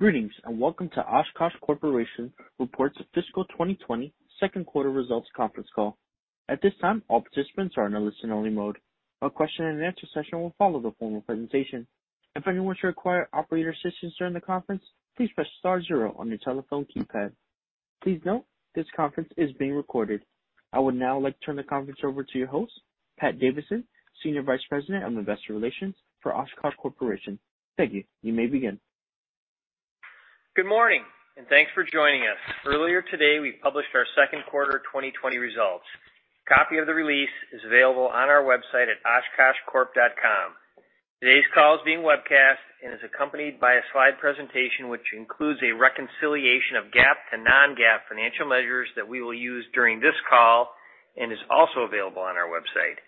Greetings, and welcome to Oshkosh Corporation Report to Fiscal 2020 Second Quarter Results Conference Call. At this time, all participants are in a listen-only mode. A question and answer session will follow the formal presentation. If anyone should require operator assistance during the conference, please press star zero on your telephone keypad. Please note, this conference is being recorded. I would now like to turn the conference over to your host, Pat Davidson, Senior Vice President of Investor Relations for Oshkosh Corporation. Thank you. You may begin. Good morning, and thanks for joining us. Earlier today, we published our second quarter 2020 results. A copy of the release is available on our website at oshkoshcorp.com. Today's call is being webcast and is accompanied by a slide presentation, which includes a reconciliation of GAAP to non-GAAP financial measures that we will use during this call and is also available on our website.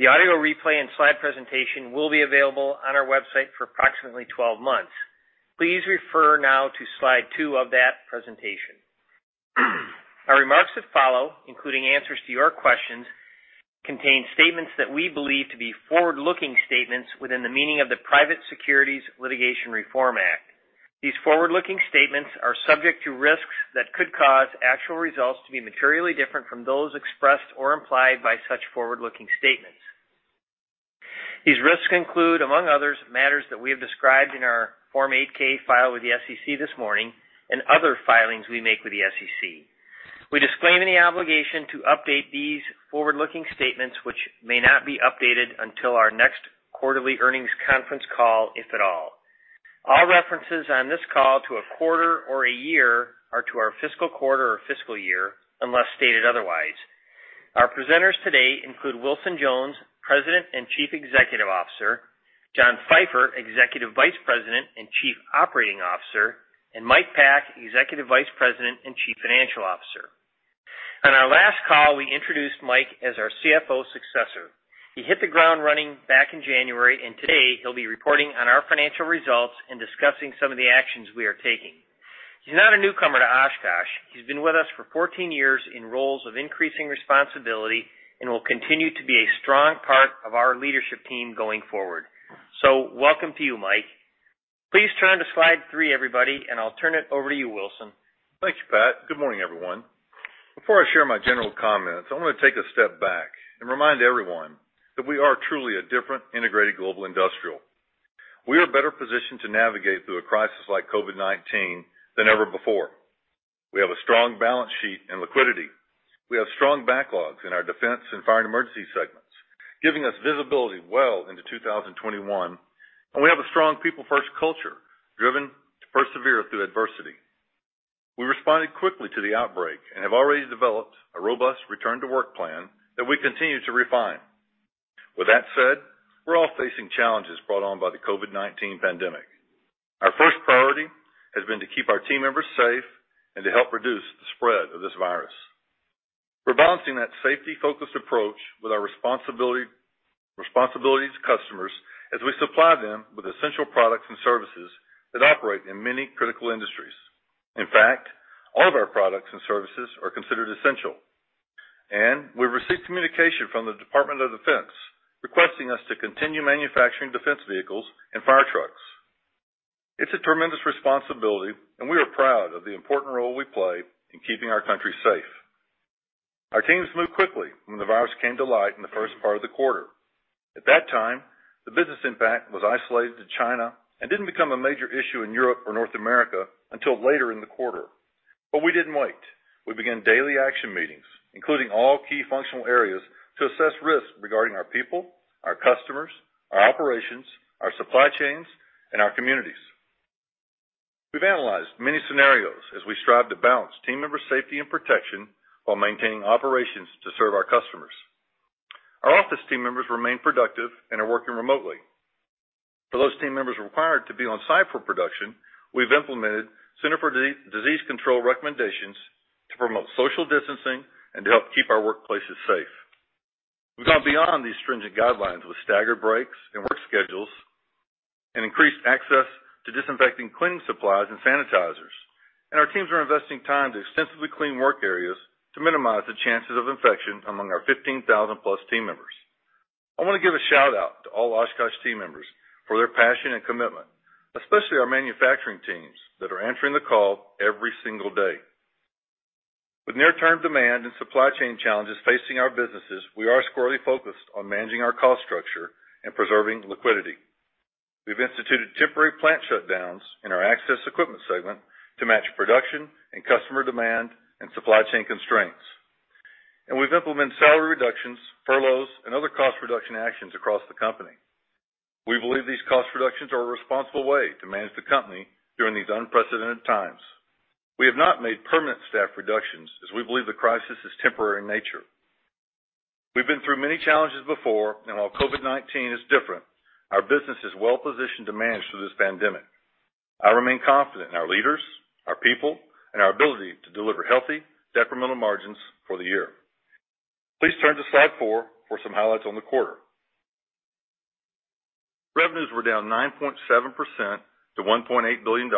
The audio replay and slide presentation will be available on our website for approximately 12 months. Please refer now to slide 2 of that presentation. Our remarks that follow, including answers to your questions, contain statements that we believe to be forward-looking statements within the meaning of the Private Securities Litigation Reform Act. These forward-looking statements are subject to risks that could cause actual results to be materially different from those expressed or implied by such forward-looking statements. These risks include, among others, matters that we have described in our Form 8-K filed with the SEC this morning and other filings we make with the SEC. We disclaim any obligation to update these forward-looking statements, which may not be updated until our next quarterly earnings conference call, if at all. All references on this call to a quarter or a year are to our fiscal quarter or fiscal year, unless stated otherwise. Our presenters today include Wilson Jones, President and Chief Executive Officer, John Pfeifer, Executive Vice President and Chief Operating Officer, and Mike Pack, Executive Vice President and Chief Financial Officer. On our last call, we introduced Mike as our CFO successor. He hit the ground running back in January, and today he'll be reporting on our financial results and discussing some of the actions we are taking. He's not a newcomer to Oshkosh. He's been with us for 14 years in roles of increasing responsibility and will continue to be a strong part of our leadership team going forward. So welcome to you, Mike. Please turn to slide 3, everybody, and I'll turn it over to you, Wilson. Thank you, Pat. Good morning, everyone. Before I share my general comments, I want to take a step back and remind everyone that we are truly a different, integrated global industrial. We are better positioned to navigate through a crisis like COVID-19 than ever before. We have a strong balance sheet and liquidity. We have strong backlogs in our defense and fire and emergency segments, giving us visibility well into 2021, and we have a strong people-first culture, driven to persevere through adversity. We responded quickly to the outbreak and have already developed a robust return-to-work plan that we continue to refine. With that said, we're all facing challenges brought on by the COVID-19 pandemic. Our first priority has been to keep our team members safe and to help reduce the spread of this virus. We're balancing that safety-focused approach with our responsibility to customers as we supply them with essential products and services that operate in many critical industries. In fact, all of our products and services are considered essential, and we've received communication from the Department of Defense, requesting us to continue manufacturing defense vehicles and fire trucks. It's a tremendous responsibility, and we are proud of the important role we play in keeping our country safe. Our teams moved quickly when the virus came to light in the first part of the quarter. At that time, the business impact was isolated to China and didn't become a major issue in Europe or North America until later in the quarter. We didn't wait. We began daily action meetings, including all key functional areas, to assess risks regarding our people, our customers, our operations, our supply chains, and our communities. We've analyzed many scenarios as we strive to balance team member safety and protection while maintaining operations to serve our customers. Our office team members remain productive and are working remotely. For those team members required to be on site for production, we've implemented Center for Disease Control recommendations to promote social distancing and to help keep our workplaces safe. We've gone beyond these stringent guidelines with staggered breaks and work schedules and increased access to disinfecting cleaning supplies and sanitizers. And our teams are investing time to extensively clean work areas to minimize the chances of infection among our 15,000+ team members. I want to give a shout-out to all Oshkosh team members for their passion and commitment, especially our manufacturing teams that are answering the call every single day. With near-term demand and supply chain challenges facing our businesses, we are squarely focused on managing our cost structure and preserving liquidity. We've instituted temporary plant shutdowns in our access equipment segment to match production and customer demand and supply chain constraints. We've implemented salary reductions, furloughs, and other cost reduction actions across the company. We believe these cost reductions are a responsible way to manage the company during these unprecedented times. We have not made permanent staff reductions as we believe the crisis is temporary in nature. We've been through many challenges before, and while COVID-19 is different, our business is well positioned to manage through this pandemic. I remain confident in our leaders, our people, and our ability to deliver healthy, incremental margins for the year. Please turn to slide 4 for some highlights on the quarter. Revenues were down 9.7% to $1.8 billion,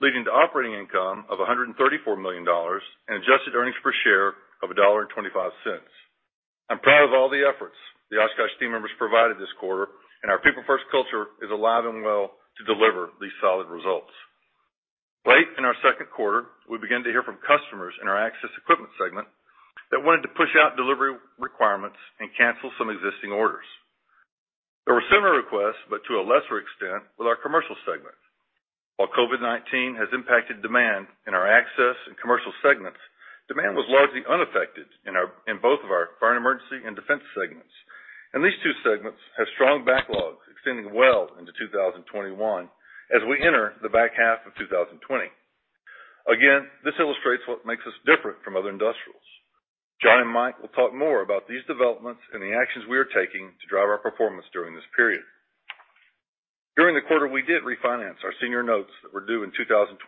leading to operating income of $134 million and adjusted earnings per share of $1.25. I'm proud of all the efforts the Oshkosh team members provided this quarter, and our people-first culture is alive and well to deliver these solid results. Late in our second quarter, we began to hear from customers in our access equipment segment that wanted to push out delivery requirements and cancel some existing orders. There were similar requests, but to a lesser extent, with our commercial segment. While COVID-19 has impacted demand in our access and commercial segments, demand was largely unaffected in both of our fire and emergency and defense segments. These two segments have strong backlogs extending well into 2021, as we enter the back half of 2020. Again, this illustrates what makes us different from other industrials. John and Mike will talk more about these developments and the actions we are taking to drive our performance during this period. During the quarter, we did refinance our senior notes that were due in 2025,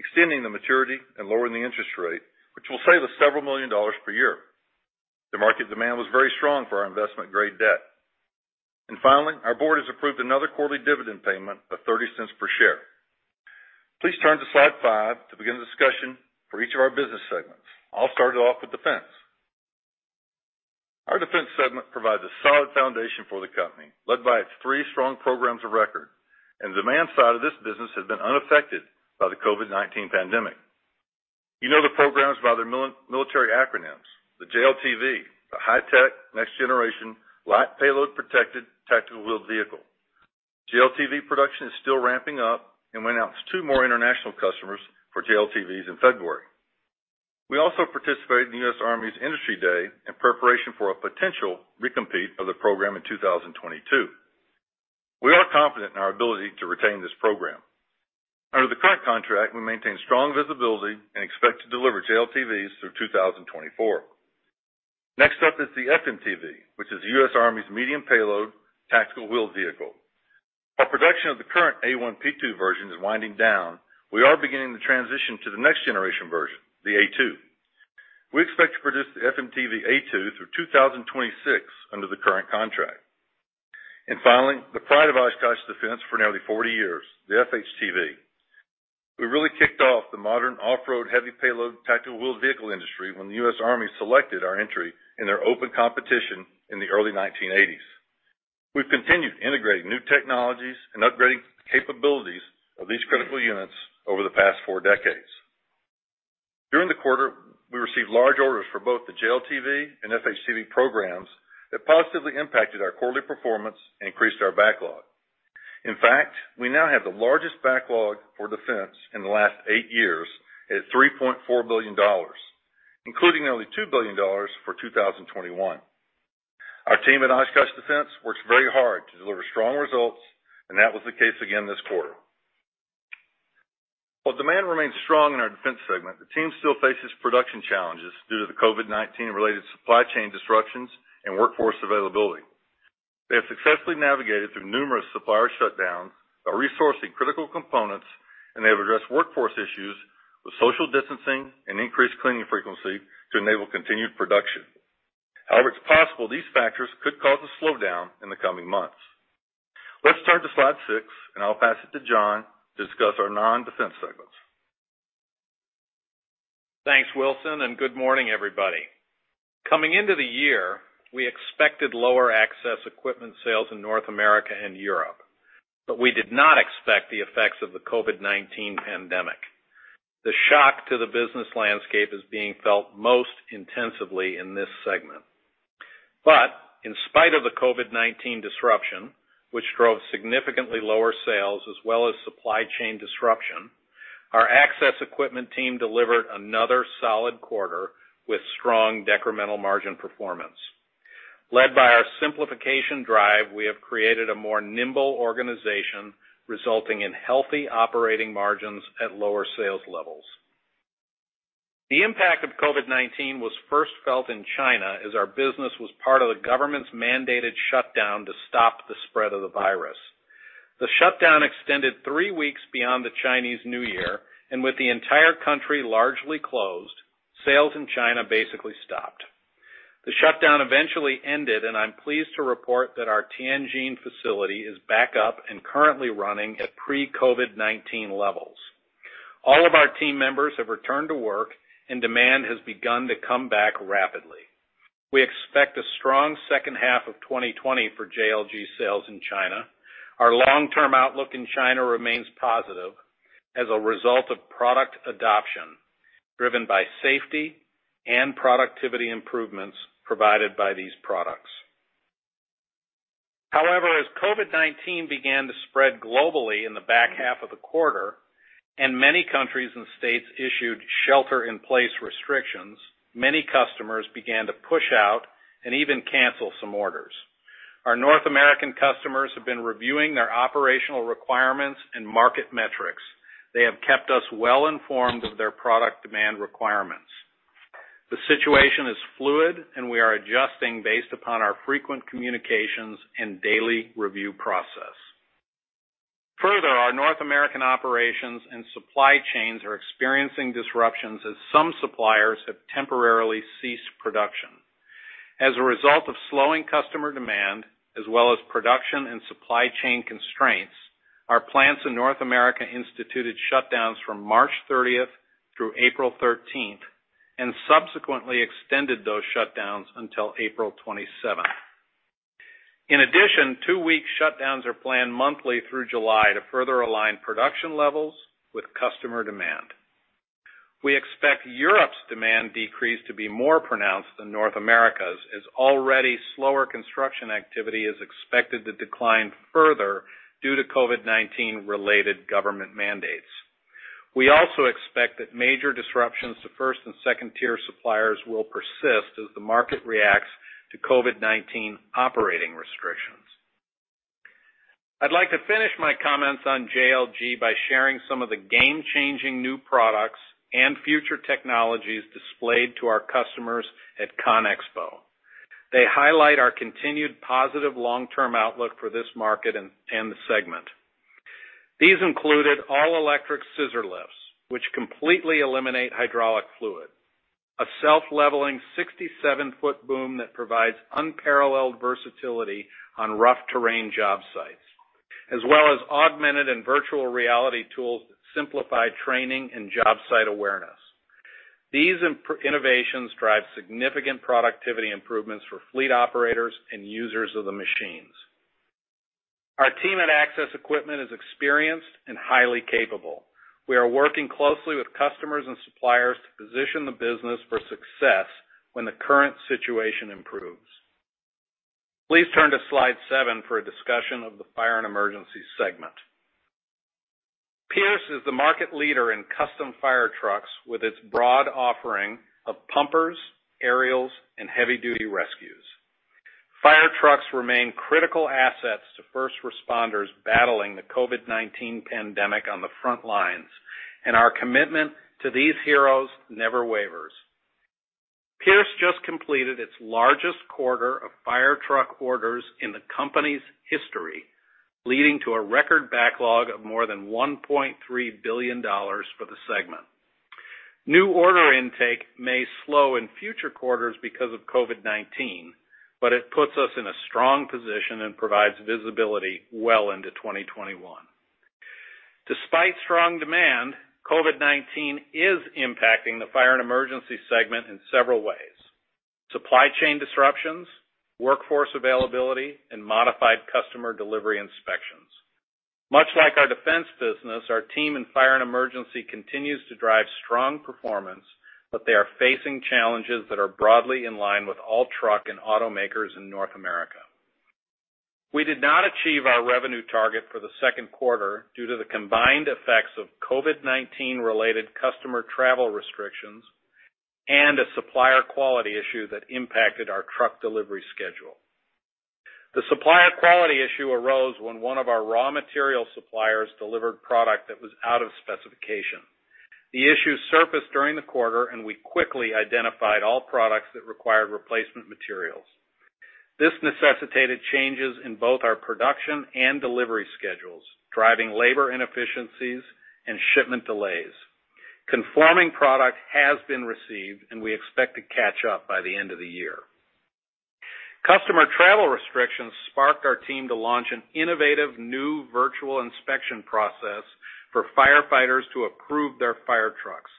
extending the maturity and lowering the interest rate, which will save us $several million per year. The market demand was very strong for our investment-grade debt. And finally, our board has approved another quarterly dividend payment of $0.30 per share. Please turn to slide 5 to begin the discussion for each of our business segments. I'll start it off with defense. Our defense segment provides a solid foundation for the company, led by its three strong programs of record, and the demand side of this business has been unaffected by the COVID-19 pandemic. You know the programs by their military acronyms, the JLTV, the high-tech, next generation, light payload protected tactical wheeled vehicle. JLTV production is still ramping up and we announced two more international customers for JLTVs in February. We also participated in the US Army's Industry Day in preparation for a potential recompete of the program in 2022. We are confident in our ability to retain this program. Under the current contract, we maintain strong visibility and expect to deliver JLTVs through 2024. Next up is the FMTV, which is the US Army's medium payload tactical wheeled vehicle. Our production of the current A1P2 version is winding down. We are beginning to transition to the next generation version, the A2. We expect to produce the FMTV A2 through 2026 under the current contract. And finally, the pride of Oshkosh Defense for nearly 40 years, the FHTV. We really kicked off the modern off-road, heavy payload, tactical wheeled vehicle industry when the U.S. Army selected our entry in their open competition in the early 1980s. We've continued to integrate new technologies and upgrading capabilities of these critical units over the past four decades. During the quarter, we received large orders for both the JLTV and FHTV programs that positively impacted our quarterly performance and increased our backlog. In fact, we now have the largest backlog for defense in the last 8 years at $3.4 billion, including nearly $2 billion for 2021. Our team at Oshkosh Defense works very hard to deliver strong results, and that was the case again this quarter. While demand remains strong in our defense segment, the team still faces production challenges due to the COVID-19 related supply chain disruptions and workforce availability. They have successfully navigated through numerous supplier shutdowns by resourcing critical components, and they have addressed workforce issues with social distancing and increased cleaning frequency to enable continued production. However, it's possible these factors could cause a slowdown in the coming months. Let's turn to slide 6, and I'll pass it to John to discuss our non-defense segments. Thanks, Wilson, and good morning, everybody. Coming into the year, we expected lower access equipment sales in North America and Europe, but we did not expect the effects of the COVID-19 pandemic. The shock to the business landscape is being felt most intensively in this segment. In spite of the COVID-19 disruption, which drove significantly lower sales as well as supply chain disruption, our access equipment team delivered another solid quarter with strong decremental margin performance. Led by our simplification drive, we have created a more nimble organization, resulting in healthy operating margins at lower sales levels. The impact of COVID-19 was first felt in China, as our business was part of the government's mandated shutdown to stop the spread of the virus. The shutdown extended three weeks beyond the Chinese New Year, and with the entire country largely closed, sales in China basically stopped. The shutdown eventually ended, and I'm pleased to report that our Tianjin facility is back up and currently running at pre-COVID-19 levels. All of our team members have returned to work and demand has begun to come back rapidly. We expect a strong second half of 2020 for JLG sales in China. Our long-term outlook in China remains positive as a result of product adoption, driven by safety and productivity improvements provided by these products. However, as COVID-19 began to spread globally in the back half of the quarter, and many countries and states issued shelter-in-place restrictions, many customers began to push out and even cancel some orders. Our North American customers have been reviewing their operational requirements and market metrics. They have kept us well informed of their product demand requirements. The situation is fluid, and we are adjusting based upon our frequent communications and daily review process. Further, our North American operations and supply chains are experiencing disruptions as some suppliers have temporarily ceased production. As a result of slowing customer demand, as well as production and supply chain constraints,... Our plants in North America instituted shutdowns from March 30 through April 13, and subsequently extended those shutdowns until April 27. In addition, 2 week shutdowns are planned monthly through July to further align production levels with customer demand. We expect Europe's demand decrease to be more pronounced than North America's, as already slower construction activity is expected to decline further due to COVID-19 related government mandates. We also expect that major disruptions to first and second tier suppliers will persist as the market reacts to COVID-19 operating restrictions. I'd like to finish my comments on JLG by sharing some of the game-changing new products and future technologies displayed to our customers at ConExpo. They highlight our continued positive long-term outlook for this market and the segment. These included all-electric scissor lifts, which completely eliminate hydraulic fluid, a self-leveling 67-foot boom that provides unparalleled versatility on rough terrain job sites, as well as augmented and virtual reality tools that simplify training and job site awareness. These innovations drive significant productivity improvements for fleet operators and users of the machines. Our team at Access Equipment is experienced and highly capable. We are working closely with customers and suppliers to position the business for success when the current situation improves. Please turn to slide 7 for a discussion of the fire and emergency segment. Pierce is the market leader in custom fire trucks, with its broad offering of pumpers, aerials, and heavy-duty rescues. Fire trucks remain critical assets to first responders battling the COVID-19 pandemic on the front lines, and our commitment to these heroes never wavers. Pierce just completed its largest quarter of fire truck orders in the company's history, leading to a record backlog of more than $1.3 billion for the segment. New order intake may slow in future quarters because of COVID-19, but it puts us in a strong position and provides visibility well into 2021. Despite strong demand, COVID-19 is impacting the fire and emergency segment in several ways: supply chain disruptions, workforce availability, and modified customer delivery inspections. Much like our defense business, our team in fire and emergency continues to drive strong performance, but they are facing challenges that are broadly in line with all truck and automakers in North America. We did not achieve our revenue target for the second quarter due to the combined effects of COVID-19 related customer travel restrictions and a supplier quality issue that impacted our truck delivery schedule. The supplier quality issue arose when one of our raw material suppliers delivered product that was out of specification. The issue surfaced during the quarter, and we quickly identified all products that required replacement materials. This necessitated changes in both our production and delivery schedules, driving labor inefficiencies and shipment delays. Conforming product has been received, and we expect to catch up by the end of the year. Customer travel restrictions sparked our team to launch an innovative new virtual inspection process for firefighters to approve their fire trucks.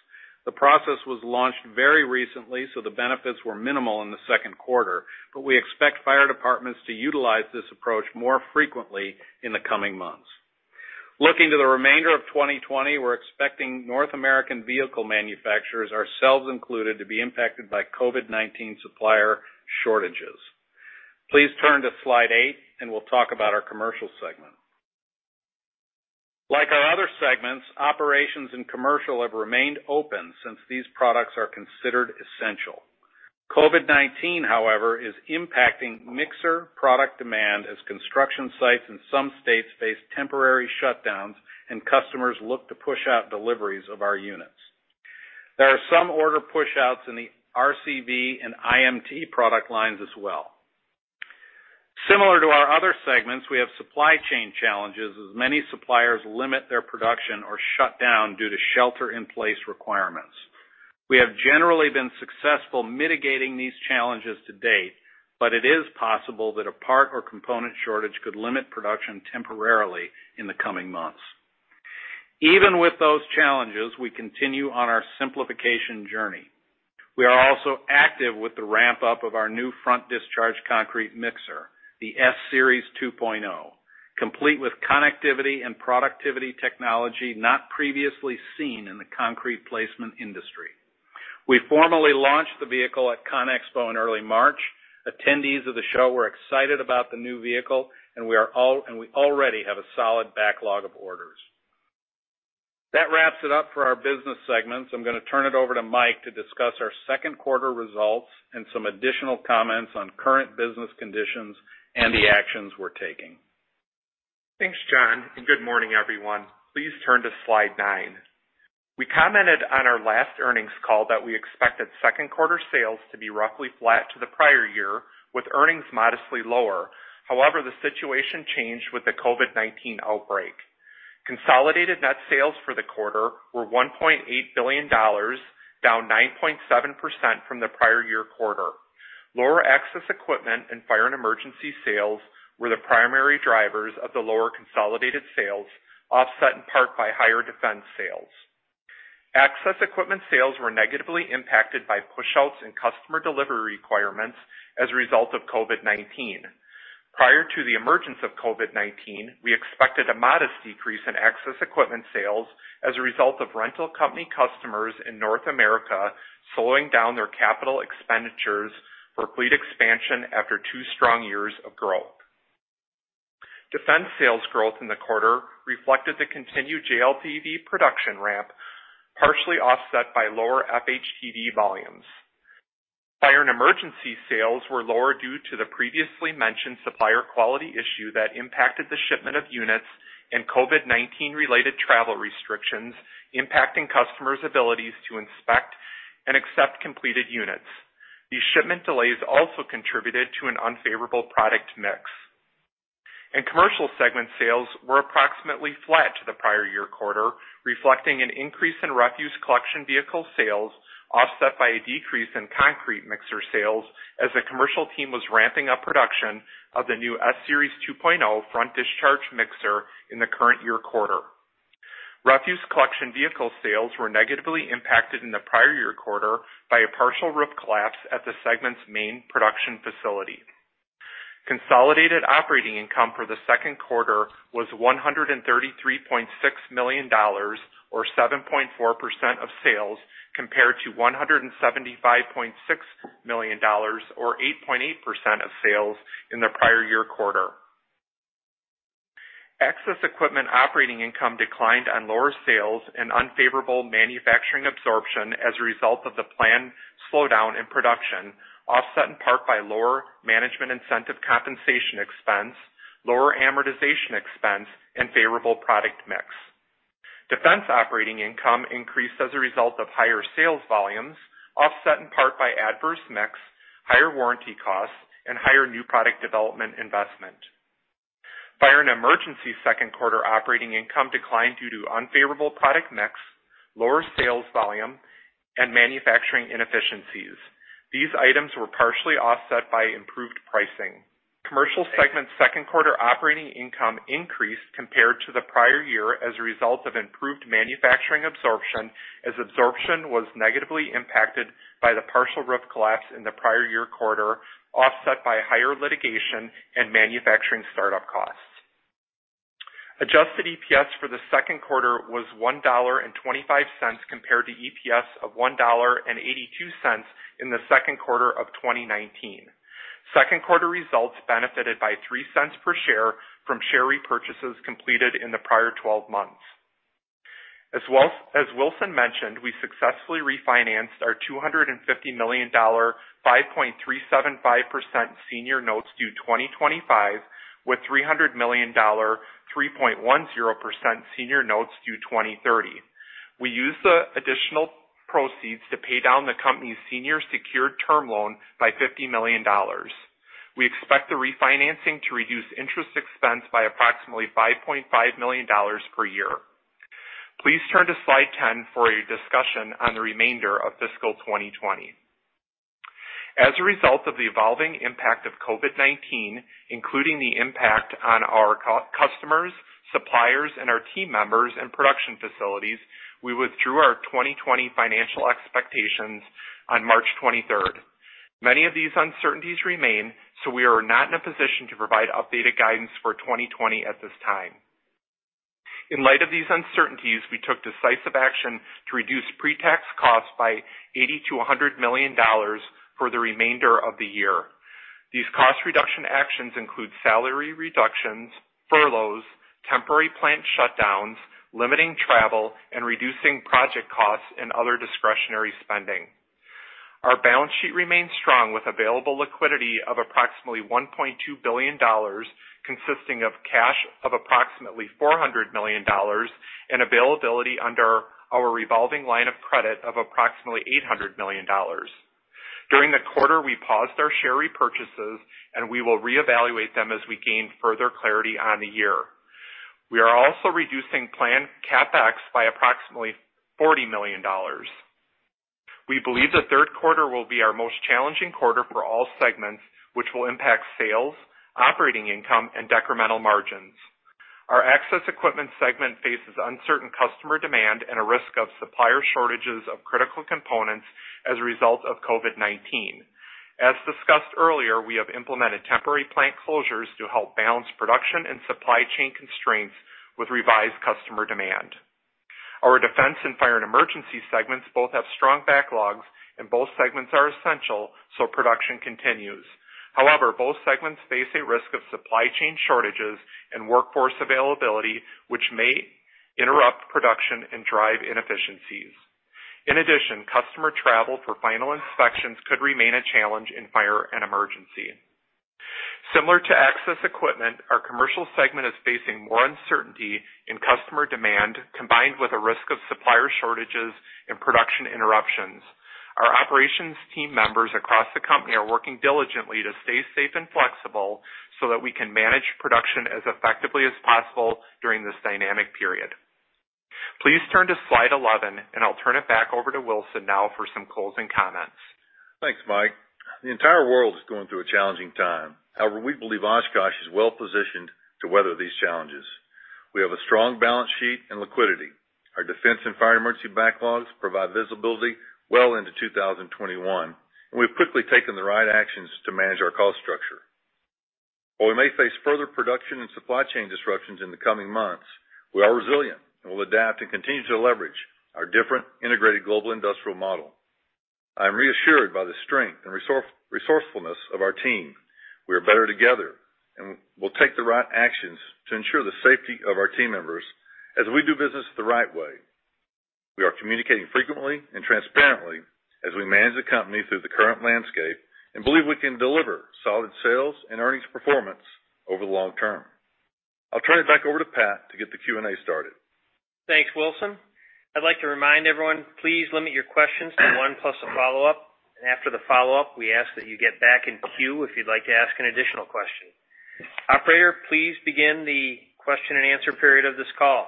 The process was launched very recently, so the benefits were minimal in the second quarter, but we expect fire departments to utilize this approach more frequently in the coming months. Looking to the remainder of 2020, we're expecting North American vehicle manufacturers, ourselves included, to be impacted by COVID-19 supplier shortages. Please turn to slide 8, and we'll talk about our commercial segment. Like our other segments, operations and commercial have remained open since these products are considered essential. COVID-19, however, is impacting mixer product demand as construction sites in some states face temporary shutdowns and customers look to push out deliveries of our units. There are some order pushouts in the RCV and IMT product lines as well. Similar to our other segments, we have supply chain challenges, as many suppliers limit their production or shut down due to shelter in place requirements. We have generally been successful mitigating these challenges to date, but it is possible that a part or component shortage could limit production temporarily in the coming months. Even with those challenges, we continue on our simplification journey. We are also active with the ramp-up of our new front discharge concrete mixer, the S-Series 2.0, complete with connectivity and productivity technology not previously seen in the concrete placement industry. We formally launched the vehicle at ConExpo in early March. Attendees of the show were excited about the new vehicle, and we already have a solid backlog of orders. That wraps it up for our business segments. I'm gonna turn it over to Mike to discuss our second quarter results and some additional comments on current business conditions and the actions we're taking. Thanks, John, and good morning, everyone. Please turn to slide 9. We commented on our last earnings call that we expected second quarter sales to be roughly flat to the prior year, with earnings modestly lower. However, the situation changed with the COVID-19 outbreak. Consolidated net sales for the quarter were $1.8 billion, down 9.7% from the prior year quarter.... Lower access equipment and fire and emergency sales were the primary drivers of the lower consolidated sales, offset in part by higher defense sales. Access equipment sales were negatively impacted by pushouts and customer delivery requirements as a result of COVID-19. Prior to the emergence of COVID-19, we expected a modest decrease in access equipment sales as a result of rental company customers in North America slowing down their capital expenditures for fleet expansion after two strong years of growth. Defense sales growth in the quarter reflected the continued JLTV production ramp, partially offset by lower FHTV volumes. Fire and emergency sales were lower due to the previously mentioned supplier quality issue that impacted the shipment of units and COVID-19 related travel restrictions, impacting customers' abilities to inspect and accept completed units. These shipment delays also contributed to an unfavorable product mix. Commercial segment sales were approximately flat to the prior year quarter, reflecting an increase in refuse collection vehicle sales, offset by a decrease in concrete mixer sales, as the commercial team was ramping up production of the new S-Series 2.0 front discharge mixer in the current year quarter. Refuse collection vehicle sales were negatively impacted in the prior year quarter by a partial roof collapse at the segment's main production facility. Consolidated operating income for the second quarter was $133.6 million, or 7.4% of sales, compared to $175.6 million, or 8.8% of sales, in the prior year quarter. Access equipment operating income declined on lower sales and unfavorable manufacturing absorption as a result of the planned slowdown in production, offset in part by lower management incentive compensation expense, lower amortization expense, and favorable product mix. Defense operating income increased as a result of higher sales volumes, offset in part by adverse mix, higher warranty costs, and higher new product development investment. Fire and emergency second quarter operating income declined due to unfavorable product mix, lower sales volume, and manufacturing inefficiencies. These items were partially offset by improved pricing. Commercial segment second quarter operating income increased compared to the prior year as a result of improved manufacturing absorption, as absorption was negatively impacted by the partial roof collapse in the prior year quarter, offset by higher litigation and manufacturing startup costs. Adjusted EPS for the second quarter was $1.25, compared to EPS of $1.82 in the second quarter of 2019. Second quarter results benefited by 3 cents per share from share repurchases completed in the prior 12 months. As well as Wilson mentioned, we successfully refinanced our $250 million, 5.375% senior notes due 2025, with $300 million, 3.10% senior notes due 2030. We used the additional proceeds to pay down the company's senior secured term loan by $50 million. We expect the refinancing to reduce interest expense by approximately $5.5 million per year. Please turn to slide 10 for a discussion on the remainder of fiscal 2020. As a result of the evolving impact of COVID-19, including the impact on our customers, suppliers, and our team members and production facilities, we withdrew our 2020 financial expectations on March 23. Many of these uncertainties remain, so we are not in a position to provide updated guidance for 2020 at this time. In light of these uncertainties, we took decisive action to reduce pre-tax costs by $80 million to $100 million for the remainder of the year. These cost reduction actions include salary reductions, furloughs, temporary plant shutdowns, limiting travel, and reducing project costs and other discretionary spending. Our balance sheet remains strong, with available liquidity of approximately $1.2 billion, consisting of cash of approximately $400 million, and availability under our revolving line of credit of approximately $800 million. During the quarter, we paused our share repurchases, and we will reevaluate them as we gain further clarity on the year. We are also reducing planned CapEx by approximately $40 million. We believe the third quarter will be our most challenging quarter for all segments, which will impact sales, operating income, and decremental margins. Our access equipment segment faces uncertain customer demand and a risk of supplier shortages of critical components as a result of COVID-19. As discussed earlier, we have implemented temporary plant closures to help balance production and supply chain constraints with revised customer demand. Our defense and fire and emergency segments both have strong backlogs, and both segments are essential, so production continues. However, both segments face a risk of supply chain shortages and workforce availability, which may interrupt production and drive inefficiencies. In addition, customer travel for final inspections could remain a challenge in fire and emergency. Similar to access equipment, our commercial segment is facing more uncertainty in customer demand, combined with a risk of supplier shortages and production interruptions. Our operations team members across the company are working diligently to stay safe and flexible so that we can manage production as effectively as possible during this dynamic period.... Please turn to slide 11, and I'll turn it back over to Wilson now for some closing comments. Thanks, Mike. The entire world is going through a challenging time. However, we believe Oshkosh is well positioned to weather these challenges. We have a strong balance sheet and liquidity. Our defense and fire emergency backlogs provide visibility well into 2021, and we've quickly taken the right actions to manage our cost structure. While we may face further production and supply chain disruptions in the coming months, we are resilient and will adapt and continue to leverage our different integrated global industrial model. I am reassured by the strength and resourcefulness of our team. We are better together, and we'll take the right actions to ensure the safety of our team members as we do business the right way. We are communicating frequently and transparently as we manage the company through the current landscape and believe we can deliver solid sales and earnings performance over the long term. I'll turn it back over to Pat to get the Q&A started. Thanks, Wilson. I'd like to remind everyone, please limit your questions to one plus a follow-up. And after the follow-up, we ask that you get back in queue if you'd like to ask an additional question. Operator, please begin the question and answer period of this call.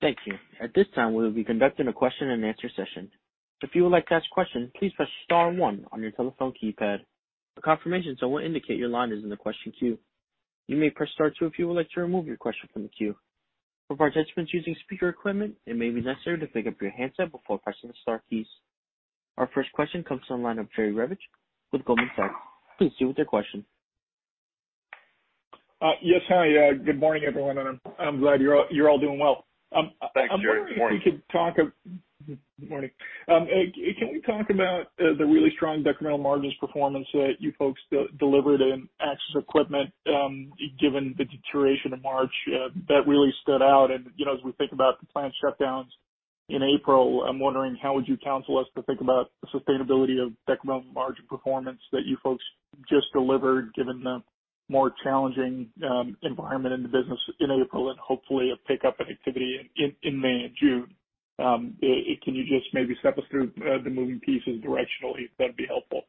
Thank you. At this time, we will be conducting a question and answer session. If you would like to ask a question, please press star one on your telephone keypad. A confirmation tone will indicate your line is in the question queue. You may press star two if you would like to remove your question from the queue. For participants using speaker equipment, it may be necessary to pick up your handset before pressing the star keys. Our first question comes from the line of Jerry Revich with Goldman Sachs. Please proceed with your question. Yes, hi, good morning, everyone, and I'm glad you're all doing well. Thanks, Jerry. Good morning. Good morning. Can we talk about the really strong incremental margins performance that you folks delivered in access equipment, given the deterioration of March? That really stood out. And, you know, as we think about the plant shutdowns in April, I'm wondering, how would you counsel us to think about the sustainability of incremental margin performance that you folks just delivered, given the more challenging environment in the business in April and hopefully a pickup in activity in May and June? Can you just maybe step us through the moving pieces directionally? That'd be helpful.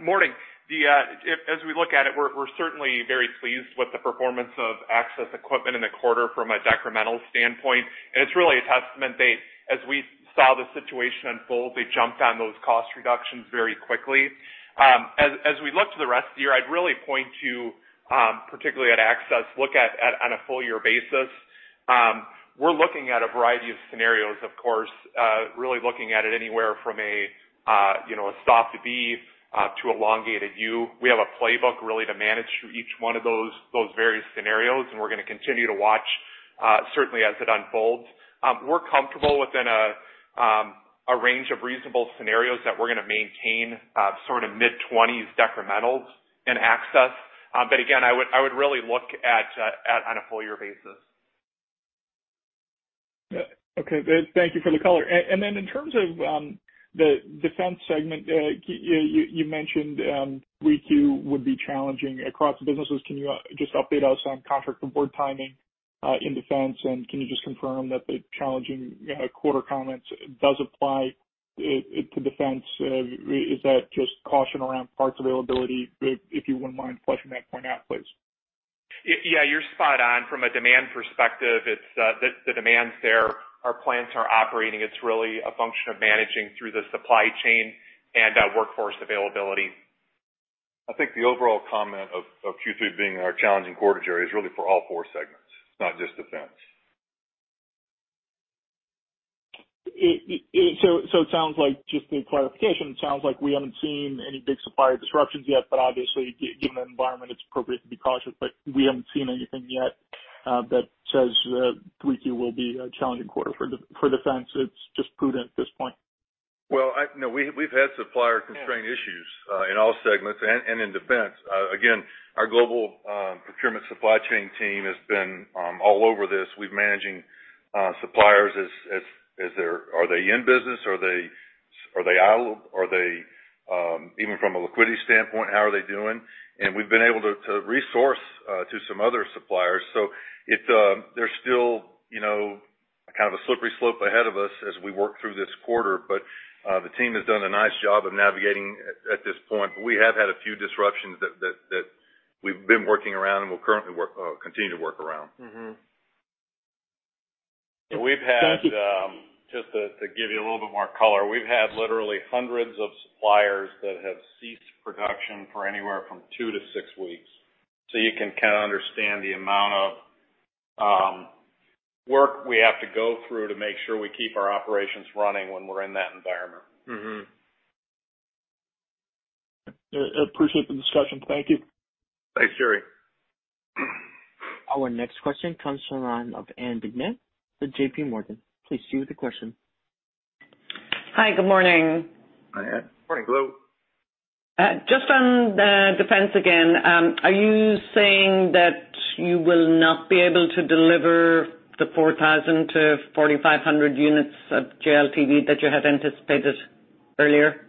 Morning. If, as we look at it, we're certainly very pleased with the performance of access equipment in the quarter from a decremental standpoint. And it's really a testament that as we saw the situation unfold, we jumped on those cost reductions very quickly. As we look to the rest of the year, I'd really point to, particularly at Access, look at, on a full year basis. We're looking at a variety of scenarios, of course, really looking at it anywhere from a, you know, a soft B, to elongated U. We have a playbook really to manage through each one of those various scenarios, and we're going to continue to watch, certainly as it unfolds. We're comfortable within a range of reasonable scenarios that we're going to maintain sort of mid-twenties decremental in Access. But again, I would really look at on a full year basis. Okay. Thank you for the color. And then in terms of the defense segment, you mentioned Q2 would be challenging across the businesses. Can you just update us on contract onboard timing in defense? And can you just confirm that the challenging quarter comments does apply to defense? Is that just caution around parts availability? If you wouldn't mind fleshing that point out, please. Yeah, you're spot on. From a demand perspective, it's the demand's there. Our plants are operating. It's really a function of managing through the supply chain and workforce availability. I think the overall comment of Q3 being our challenging quarter, Jerry, is really for all four segments, not just defense. So it sounds like, just a clarification, it sounds like we haven't seen any big supplier disruptions yet, but obviously, given the environment, it's appropriate to be cautious. But we haven't seen anything yet that says Q2 will be a challenging quarter for defense. It's just prudent at this point. Well, no, we, we've had supplier constraint issues in all segments and in defense. Again, our global procurement supply chain team has been all over this. We're managing suppliers as—are they in business? Are they out? Are they even from a liquidity standpoint, how are they doing? And we've been able to resource to some other suppliers. So it's, there's still, you know, kind of a slippery slope ahead of us as we work through this quarter. But the team has done a nice job of navigating at this point. But we have had a few disruptions that we've been working around and will continue to work around. Mm-hmm. We've had just to give you a little bit more color, we've had literally hundreds of suppliers that have ceased production for anywhere from 2 to 6 weeks. So you can kind of understand the amount of work we have to go through to make sure we keep our operations running when we're in that environment. Mm-hmm. I appreciate the discussion. Thank you. Thanks, Jerry. Our next question comes from the line of Ann Duignan with JP Morgan. Please go ahead with the question. Hi, good morning. Hi, Anne. Morning, hello. Just on the defense again, are you saying that you will not be able to deliver the 4,000 to 4,500 units of JLTV that you had anticipated earlier?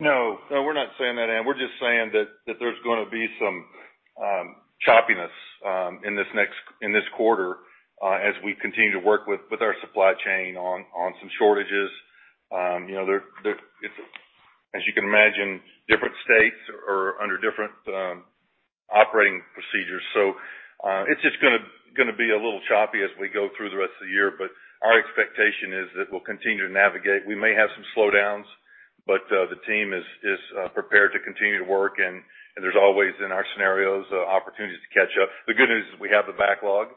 No. No, we're not saying that, Anne. We're just saying that there's going to be some choppiness in this next quarter as we continue to work with our supply chain on some shortages. You know, it's, as you can imagine, different states are under different operating procedures. So, it's just gonna be a little choppy as we go through the rest of the year. But our expectation is that we'll continue to navigate. We may have some slowdowns, but the team is prepared to continue to work, and there's always, in our scenarios, opportunities to catch up. The good news is we have the backlog,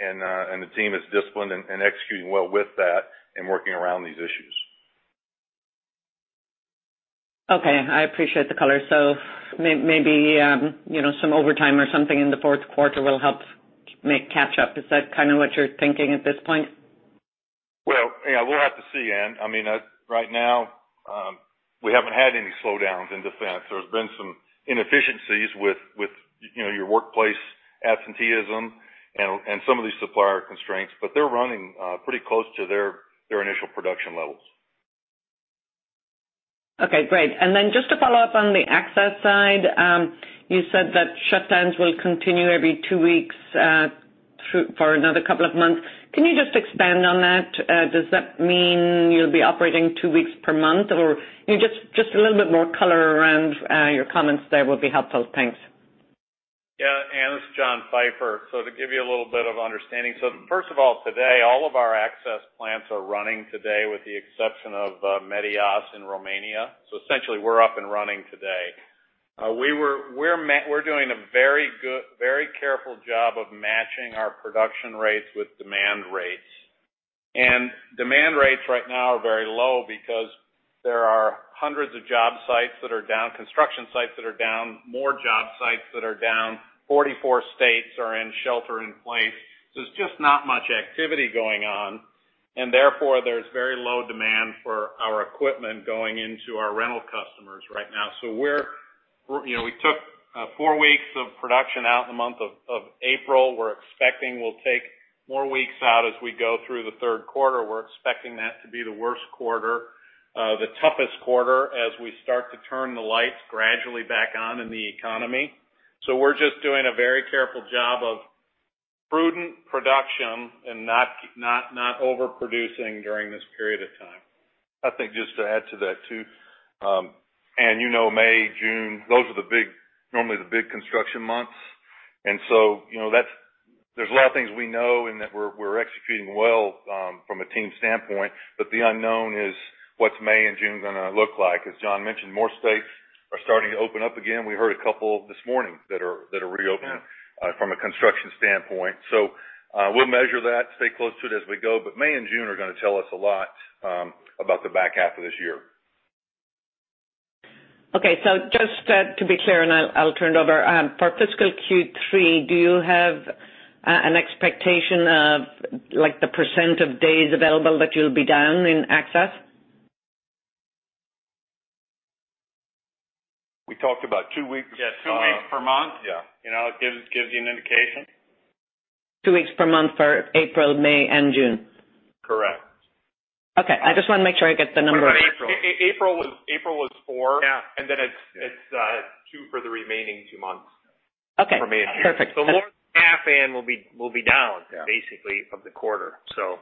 and the team is disciplined and executing well with that and working around these issues. Okay, I appreciate the color. So maybe, you know, some overtime or something in the fourth quarter will help make catch up. Is that kind of what you're thinking at this point? Well, yeah, we'll have to see, Ann. I mean, right now, we haven't had any slowdowns in defense. There's been some inefficiencies with, with, you know, your workplace absenteeism and some of these supplier constraints, but they're running pretty close to their initial production levels. Okay, great. And then just to follow up on the access side, you said that shutdowns will continue every two weeks, through for another couple of months. Can you just expand on that? Does that mean you'll be operating two weeks per month? Or, you know, just, just a little bit more color around your comments there will be helpful. Thanks. Yeah, Ann, this is John Pfeifer. So to give you a little bit of understanding, so first of all, today, all of our access plants are running today with the exception of Medias, Romania. So essentially, we're up and running today. We're doing a very good, very careful job of matching our production rates with demand rates. And demand rates right now are very low because there are hundreds of job sites that are down, construction sites that are down, more job sites that are down. 44 states are in shelter-in-place. So there's just not much activity going on, and therefore, there's very low demand for our equipment going into our rental customers right now. So you know, we took 4 weeks of production out in the month of April. We're expecting we'll take more weeks out as we go through the third quarter. We're expecting that to be the worst quarter, the toughest quarter as we start to turn the lights gradually back on in the economy. So we're just doing a very careful job of prudent production and not overproducing during this period of time. I think just to add to that, too, Anne, you know, May, June, those are the big, normally the big construction months. And so, you know, that's. There's a lot of things we know and that we're executing well, from a team standpoint, but the unknown is what's May and June gonna look like. As John mentioned, more states are starting to open up again. We heard a couple this morning that are reopening, from a construction standpoint. So, we'll measure that, stay close to it as we go, but May and June are gonna tell us a lot, about the back half of this year. Okay. So just to be clear, and I'll turn it over. For fiscal Q3, do you have an expectation of like the percent of days available that you'll be down in access? We talked about two weeks. Yeah, 2 weeks per month. Yeah. You know, it gives you an indication. 2 weeks per month for April, May and June? Correct. Okay. I just want to make sure I get the numbers. What about April? April was four. Yeah. And then it's two for the remaining two months. Okay. Remaining two. Perfect. The more half end will be down- Yeah Basically of the quarter, so.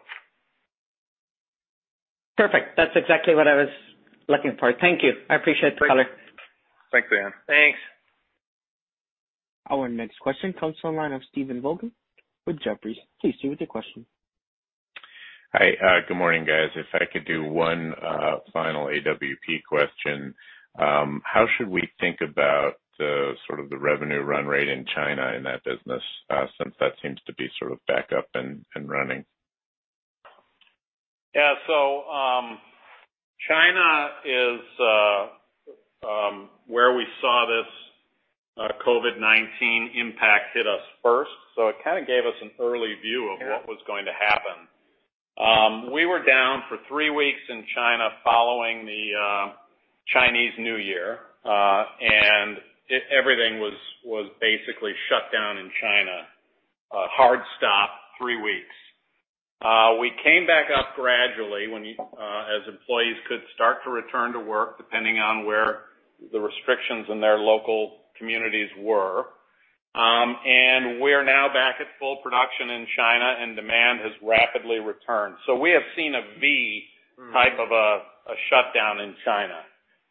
Perfect. That's exactly what I was looking for. Thank you. I appreciate the color. Thanks, Anne. Thanks. Our next question comes from the line of Stephen Volkmann with Jefferies. Please stay with your question. Hi, good morning, guys. If I could do one final AWP question. How should we think about the sort of the revenue run rate in China in that business, since that seems to be sort of back up and running? Yeah, so, China is where we saw this COVID-19 impact hit us first, so it kind of gave us an early view- Yeah of what was going to happen. We were down for three weeks in China following the Chinese New Year, and everything was basically shut down in China. A hard stop, three weeks. We came back up gradually when, as employees could start to return to work, depending on where the restrictions in their local communities were. And we're now back at full production in China, and demand has rapidly returned. So we have seen a V- Mm-hmm. A type of a shutdown in China.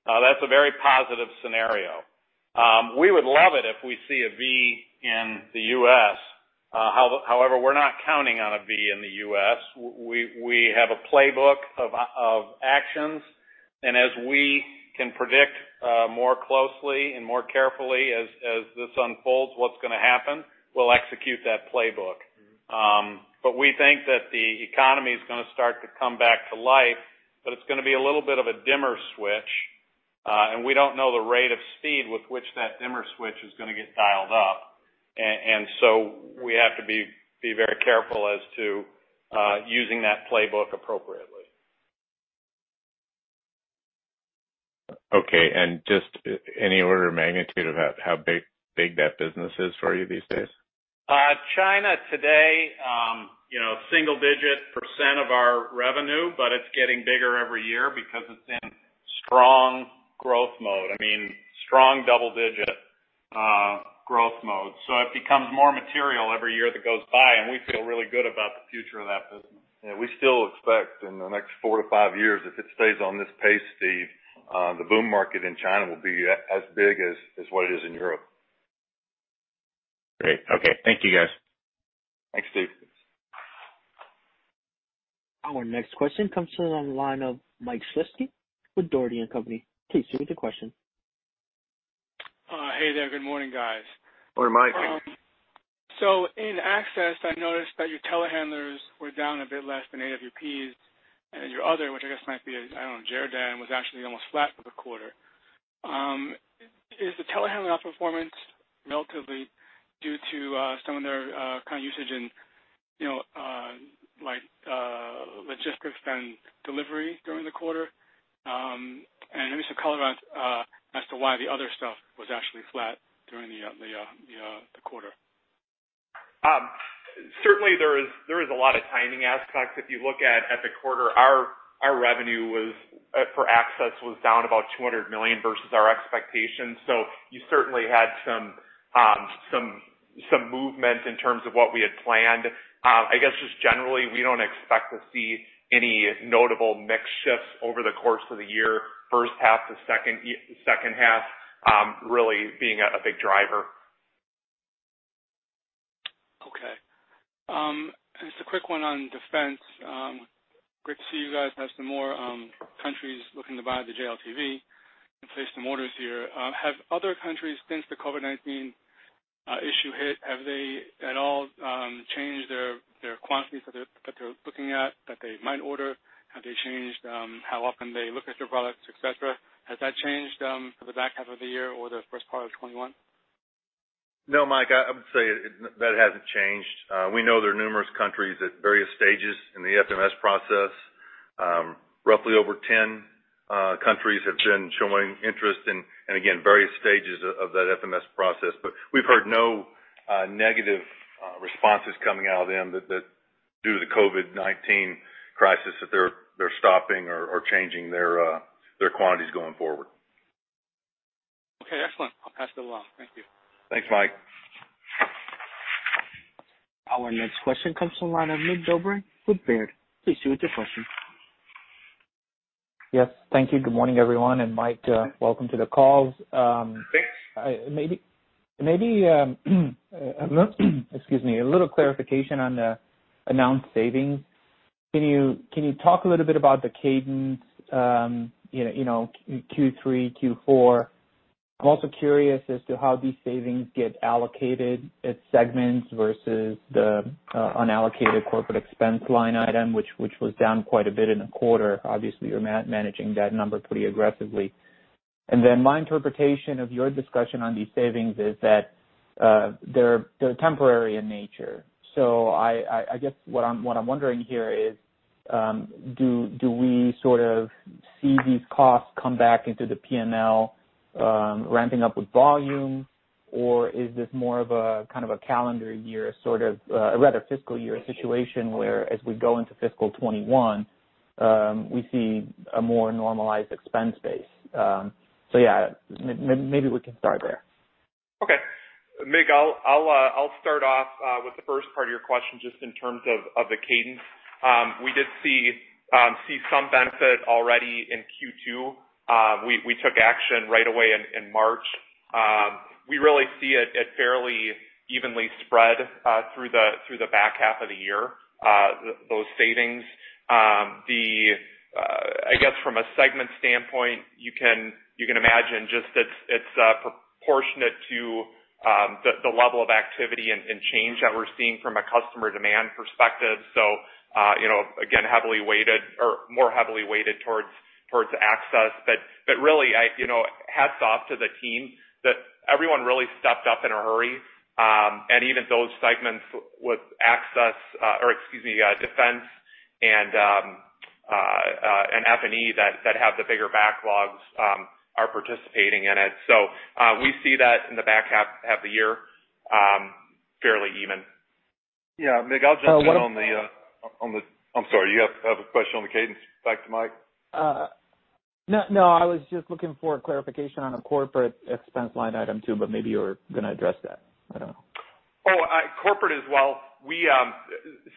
That's a very positive scenario. We would love it if we see a V in the US. However, we're not counting on a V in the US. We have a playbook of actions, and as we can predict more closely and more carefully as this unfolds, what's gonna happen, we'll execute that playbook. Mm-hmm. But we think that the economy is gonna start to come back to life, but it's gonna be a little bit of a dimmer switch, and we don't know the rate of speed with which that dimmer switch is gonna get dialed up. And so we have to be very careful as to using that playbook appropriately. Okay. And just any order of magnitude of how big that business is for you these days? China today, you know, single-digit % of our revenue, but it's getting bigger every year because it's in strong growth mode. I mean, strong double-digit.... growth mode. So it becomes more material every year that goes by, and we feel really good about the future of that business. Yeah, we still expect in the next 4 to 5 years, if it stays on this pace, Steve, the boom market in China will be as big as what it is in Europe. Great. Okay. Thank you, guys. Thanks, Steve. Our next question comes in on the line of Mike Shlisky with Dougherty & Company. Please proceed with your question. Hey there. Good morning, guys. Good morning, Mike. So in Access, I noticed that your telehandlers were down a bit less than AWP's, and then your other, which I guess might be, I don't know, Jerr-Dan, was actually almost flat for the quarter. Is the telehandler outperformance relatively due to some of their kind of usage in, you know, like, logistics and delivery during the quarter? And maybe some color around as to why the other stuff was actually flat during the quarter. Certainly there is, there is a lot of timing aspects. If you look at the quarter, our revenue for Access was down about $200 million versus our expectations. So you certainly had some movement in terms of what we had planned. I guess just generally, we don't expect to see any notable mix shifts over the course of the year, first half to second half really being a big driver. Okay. Just a quick one on defense. Great to see you guys have some more countries looking to buy the JLTV and place some orders here. Have other countries, since the COVID-19 issue hit, have they at all changed their quantities that they're looking at that they might order? Have they changed how often they look at your products, et cetera? Has that changed for the back half of the year or the first part of 2021? No, Mike, I would say that hasn't changed. We know there are numerous countries at various stages in the FMS process. Roughly over 10 countries have been showing interest in, and again, various stages of that FMS process. But we've heard no negative responses coming out of them that, due to the COVID-19 crisis, they're stopping or changing their quantities going forward. Okay, excellent. I'll pass that along. Thank you. Thanks, Mike. Our next question comes from the line of Mig Dobre with Baird. Please proceed with your question. Yes, thank you. Good morning, everyone, and Mike, welcome to the call. Thanks. Maybe, excuse me, a little clarification on the announced savings. Can you talk a little bit about the cadence, you know, Q3, Q4? I'm also curious as to how these savings get allocated at segments versus the unallocated corporate expense line item, which was down quite a bit in the quarter. Obviously, you're managing that number pretty aggressively. And then my interpretation of your discussion on these savings is that they're temporary in nature. So I guess what I'm wondering here is, do we sort of see these costs come back into the PNL, ramping up with volume? Or is this more of a kind of a calendar year, sort of a rather fiscal year situation, where as we go into fiscal 2021, we see a more normalized expense base? So yeah, maybe we can start there. Okay. Mig, I'll start off with the first part of your question, just in terms of the cadence. We did see some benefit already in Q2. We took action right away in March. We really see it fairly evenly spread through the back half of the year, those savings. I guess from a segment standpoint, you can imagine just it's proportionate to the level of activity and change that we're seeing from a customer demand perspective. So, you know, again, heavily weighted or more heavily weighted towards Access. But really, I, you know, hats off to the team, that everyone really stepped up in a hurry. And even those segments with Access, or excuse me, Defense and F&E that have the bigger backlogs are participating in it. So, we see that in the back half of the year fairly even. Yeah, Mig, I'll just add on the... I'm sorry, you have a question on the cadence back to Mike? No, no, I was just looking for clarification on the corporate expense line item, too, but maybe you're gonna address that. I don't know. Oh, corporate as well. We,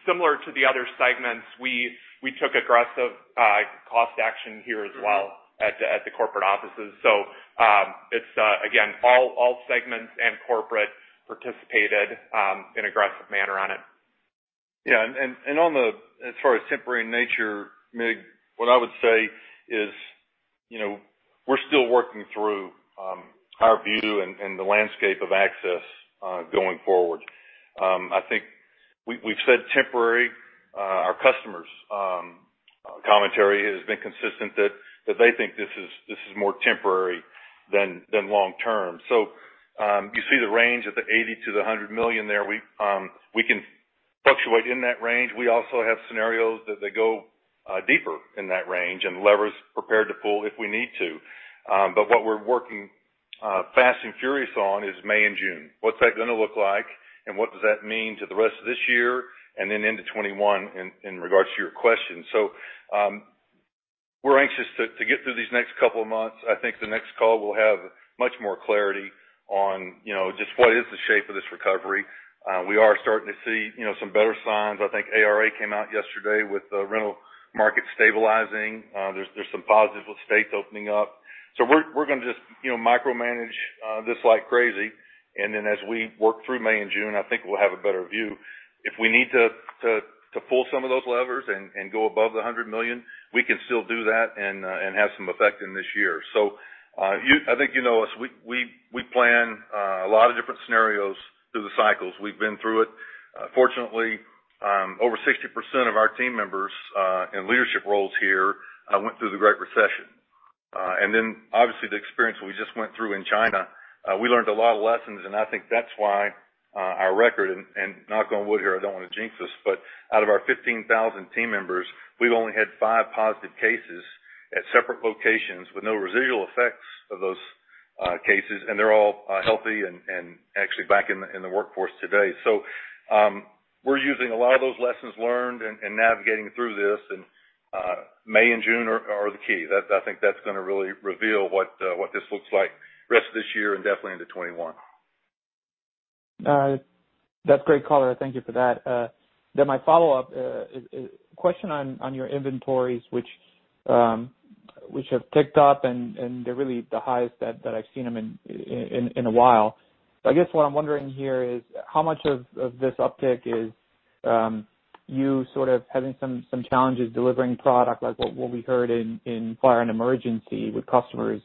similar to the other segments, we took aggressive cost action here as well at the corporate offices. So, it's again, all segments and corporate participated in aggressive manner on it. Yeah, and on the, as far as temporary in nature, Mig, what I would say is, you know, we're still working through our view and the landscape of Access going forward. I think we've said temporary. Our customers' commentary has been consistent that they think this is more temporary than long-term. So, you see the range of the $80 million to $100 million there. We can fluctuate in that range. We also have scenarios that they go deeper in that range and levers prepared to pull if we need to. But what we're working fast and furious on is May and June. What's that gonna look like? And what does that mean to the rest of this year and then into 2021, in regards to your question? So... We're anxious to get through these next couple of months. I think the next call will have much more clarity on, you know, just what is the shape of this recovery. We are starting to see, you know, some better signs. I think ARA came out yesterday with the rental market stabilizing. There's some positives with states opening up. So we're gonna just, you know, micromanage this like crazy, and then as we work through May and June, I think we'll have a better view. If we need to pull some of those levers and go above the $100 million, we can still do that and have some effect in this year. So, I think you know us, we plan a lot of different scenarios through the cycles. We've been through it. Fortunately, over 60% of our team members in leadership roles here went through the Great Recession. And then obviously, the experience we just went through in China, we learned a lot of lessons, and I think that's why our record, and knock on wood here, I don't wanna jinx us, but out of our 15,000 team members, we've only had five positive cases at separate locations with no residual effects of those cases, and they're all healthy and actually back in the workforce today. So, we're using a lot of those lessons learned and navigating through this, and May and June are the key. I think that's gonna really reveal what this looks like the rest of this year and definitely into 2021. That's great color. Thank you for that. Then my follow-up question on your inventories, which have ticked up, and they're really the highest that I've seen them in a while. So I guess what I'm wondering here is, how much of this uptick is you sort of having some challenges delivering product, like what we heard in fire and emergency, with customers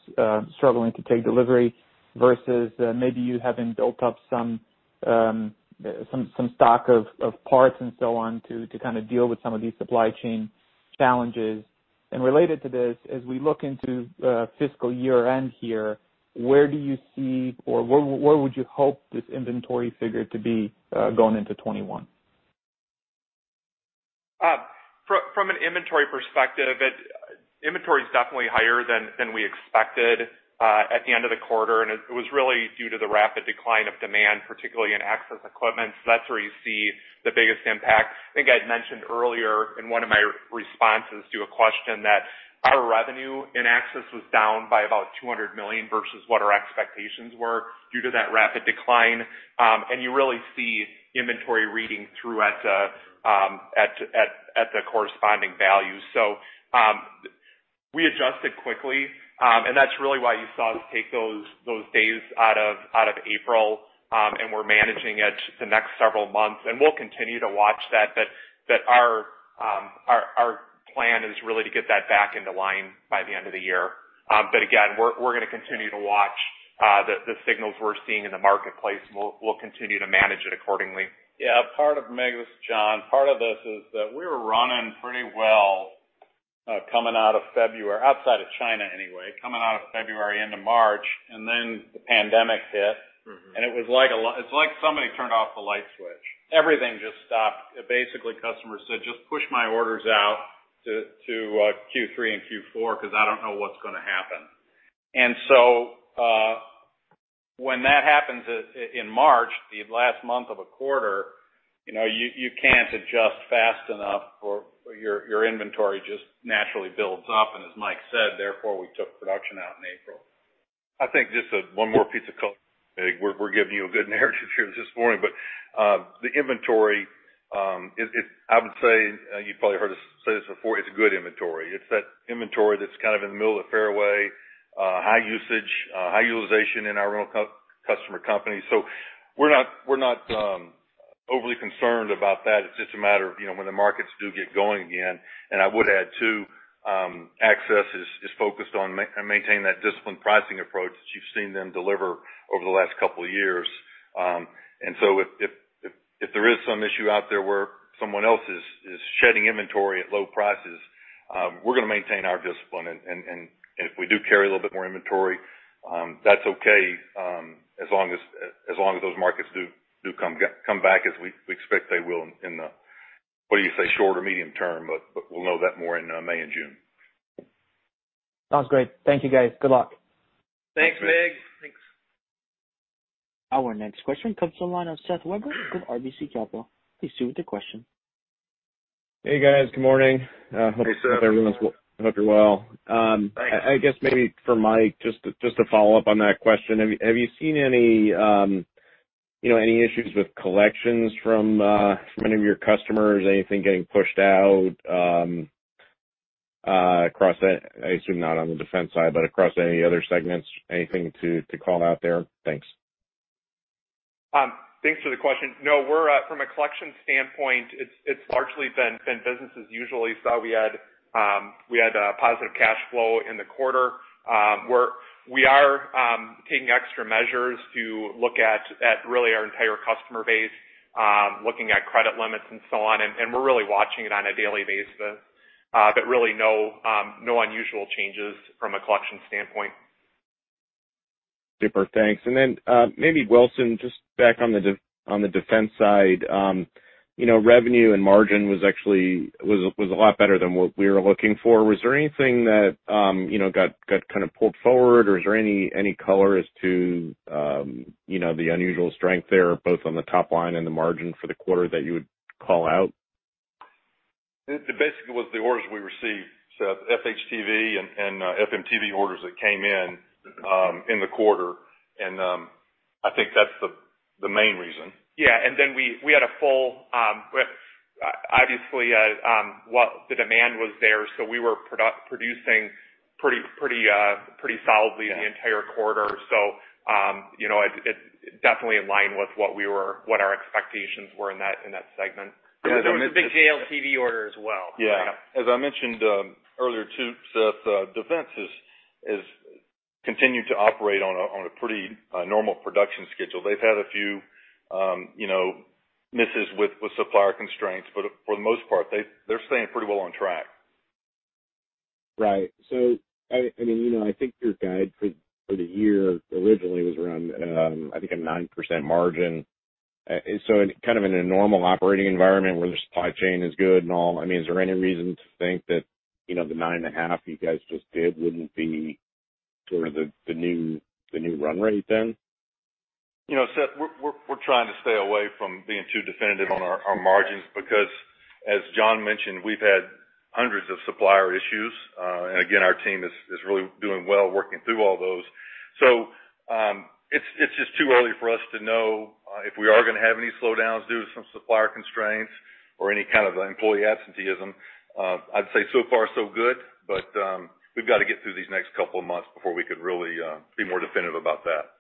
struggling to take delivery? Versus maybe you having built up some stock of parts and so on, to kind of deal with some of these supply chain challenges. Related to this, as we look into fiscal year-end here, where do you see, or where would you hope this inventory figure to be going into 2021? From an inventory perspective, inventory is definitely higher than we expected at the end of the quarter, and it was really due to the rapid decline of demand, particularly in access equipment. So that's where you see the biggest impact. I think I'd mentioned earlier in one of my responses to a question, that our revenue in access was down by about $200 million versus what our expectations were, due to that rapid decline. And you really see inventory reading through at the corresponding value. So we adjusted quickly, and that's really why you saw us take those days out of April. And we're managing it the next several months, and we'll continue to watch that, but our plan is really to get that back into line by the end of the year. But again, we're gonna continue to watch the signals we're seeing in the marketplace, and we'll continue to manage it accordingly. Yeah, part of it, Mig, this, John, part of this is that we were running pretty well, coming out of February, outside of China anyway, coming out of February into March, and then the pandemic hit. Mm-hmm. It was like it's like somebody turned off the light switch. Everything just stopped. Basically, customers said, "Just push my orders out to Q3 and Q4, because I don't know what's gonna happen." And so, when that happens in March, the last month of a quarter, you know, you can't adjust fast enough or your inventory just naturally builds up, and as Mike said, therefore, we took production out in April. I think just one more piece of color. We're giving you a good narrative here this morning. But the inventory, it. I would say, you've probably heard us say this before, it's good inventory. It's that inventory that's kind of in the middle of the fairway, high usage, high utilization in our rental customer companies. So we're not overly concerned about that. It's just a matter of, you know, when the markets do get going again, and I would add, too, access is focused on maintaining that disciplined pricing approach that you've seen them deliver over the last couple of years. And so if there is some issue out there where someone else is shedding inventory at low prices, we're gonna maintain our discipline. And if we do carry a little bit more inventory, that's okay, as long as those markets do come back, as we expect they will in the, what do you say, short or medium term, but we'll know that more in May and June. Sounds great. Thank you, guys. Good luck. Thanks, Mig. Thanks. Our next question comes from the line of Seth Weber with RBC Capital. Please proceed with the question. Hey, guys. Good morning. Hey, Seth. Hope everyone's hope you're well. Thanks. I guess maybe for Mike, just to follow up on that question, have you seen any, you know, any issues with collections from any of your customers? Anything getting pushed out, across the... I assume not on the defense side, but across any other segments, anything to call out there? Thanks. Thanks for the question. No, we're from a collection standpoint, it's largely been business as usual. So we had a positive cash flow in the quarter. We're taking extra measures to look at really our entire customer base, looking at credit limits and so on, and we're really watching it on a daily basis. But really, no unusual changes from a collection standpoint. Super. Thanks. And then, maybe Wilson, just back on the defense side, you know, revenue and margin was actually a lot better than what we were looking for. Was there anything that, you know, got kind of pulled forward, or is there any color as to, you know, the unusual strength there, both on the top line and the margin for the quarter, that you would... call out? It basically was the orders we received, Seth, FHTV and FMTV orders that came in in the quarter. And I think that's the main reason. Yeah, and then we had a full, obviously, well, the demand was there, so we were producing pretty solidly- Yeah -the entire quarter. So, you know, it, it's definitely in line with what our expectations were in that, in that segment. Yeah, and it- There was a big JLTV order as well. Yeah. As I mentioned earlier, too, Seth, defense is continuing to operate on a pretty normal production schedule. They've had a few, you know, misses with supplier constraints, but for the most part, they're staying pretty well on track. Right. So I mean, you know, I think your guide for the year originally was around, I think, a 9% margin. So kind of in a normal operating environment, where the supply chain is good and all, I mean, is there any reason to think that, you know, the 9.5 you guys just did wouldn't be sort of the new run rate then? You know, Seth, we're trying to stay away from being too definitive on our margins, because as John mentioned, we've had hundreds of supplier issues. And again, our team is really doing well working through all those. So, it's just too early for us to know if we are gonna have any slowdowns due to some supplier constraints or any kind of employee absenteeism. I'd say, so far, so good, but we've got to get through these next couple of months before we could really be more definitive about that.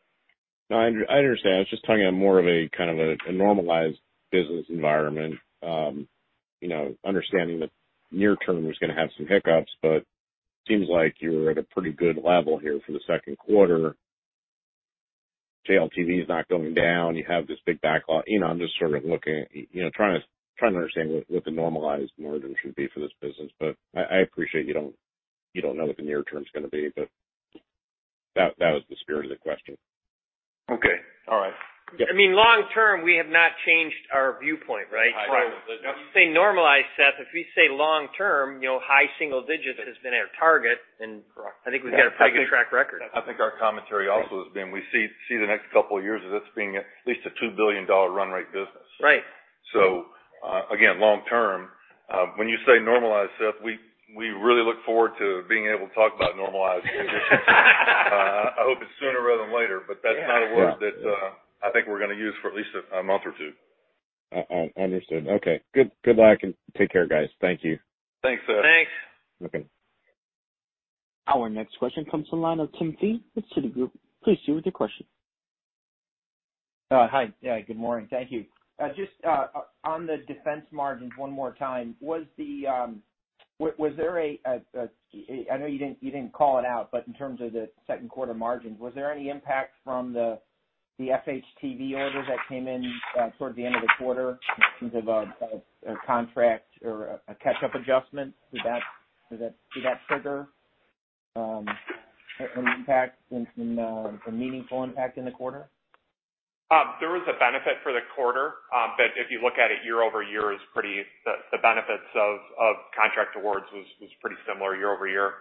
No, I understand. I was just talking about more of a kind of a normalized business environment. You know, understanding the near term is gonna have some hiccups, but seems like you're at a pretty good level here for the second quarter. JLTV is not going down. You have this big backlog. You know, I'm just sort of looking at, you know, trying to understand what the normalized margin should be for this business. But I appreciate you don't know what the near term is gonna be, but that was the spirit of the question. Okay. All right. I mean, long term, we have not changed our viewpoint, right? Right. You say normalized, Seth, if we say long term, you know, high single digits has been our target. Correct. I think we've got a pretty good track record. I think our commentary also has been, we see the next couple of years as it's being at least a $2 billion run rate business. Right. So, again, long term, when you say normalized, Seth, we really look forward to being able to talk about normalized views. I hope it's sooner rather than later, but that's not a word that I think we're gonna use for at least a month or two. Understood. Okay. Good, good luck, and take care, guys. Thank you. Thanks, Seth. Thanks. Okay. Our next question comes from the line of Timothy Thein with Citi. Please share your question. Hi. Yeah, good morning. Thank you. Just on the defense margins one more time, was there, I know you didn't call it out, but in terms of the second quarter margins, was there any impact from the FHTV order that came in towards the end of the quarter in terms of a contract or a catch-up adjustment? Did that trigger an impact, a meaningful impact in the quarter? There was a benefit for the quarter, but if you look at it year-over-year, the benefits of contract awards was pretty similar year-over-year.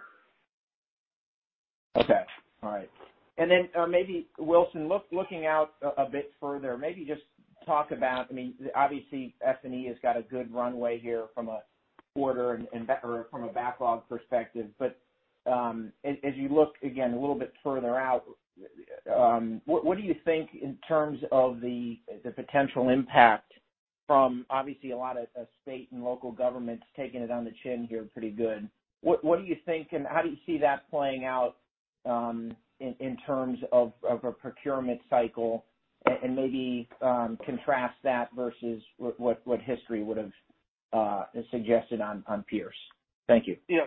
Okay. All right. And then, maybe Wilson, looking out a bit further, maybe just talk about, I mean, obviously, F&E has got a good runway here from a quarter and, or from a backlog perspective, but, as you look again, a little bit further out, what do you think in terms of the potential impact from obviously a lot of state and local governments taking it on the chin here pretty good? What do you think, and how do you see that playing out, in terms of a procurement cycle, and maybe contrast that versus what history would've suggested on Pierce? Thank you. Yeah.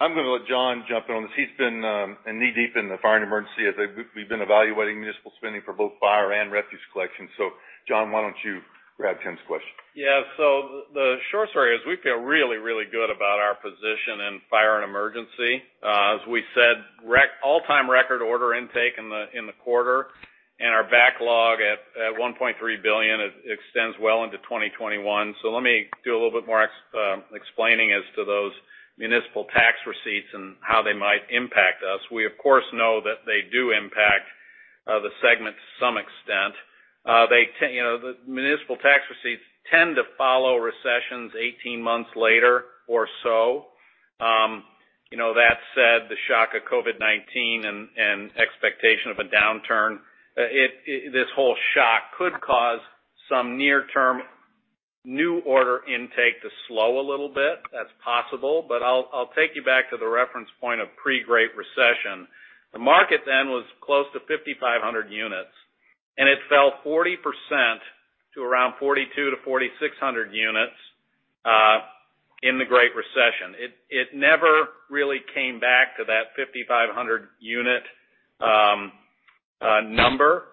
I'm gonna let John jump in on this. He's been knee-deep in the fire and emergency as we've been evaluating municipal spending for both fire and refuse collection. So John, why don't you grab Tim's question? Yeah. So the short story is we feel really, really good about our position in fire and emergency. As we said, all-time record order intake in the quarter, and our backlog at $1.3 billion, it extends well into 2021. So let me do a little bit more explaining as to those municipal tax receipts and how they might impact us. We, of course, know that they do impact the segment to some extent. They, you know, the municipal tax receipts tend to follow recessions 18 months later or so. You know, that said, the shock of COVID-19 and expectation of a downturn, this whole shock could cause some near-term new order intake to slow a little bit. That's possible, but I'll take you back to the reference point of pre-Great Recession. The market then was close to 5,500 units, and it fell 40% to around 4,200 to 4,600 units in the Great Recession. It never really came back to that 5,500-unit number.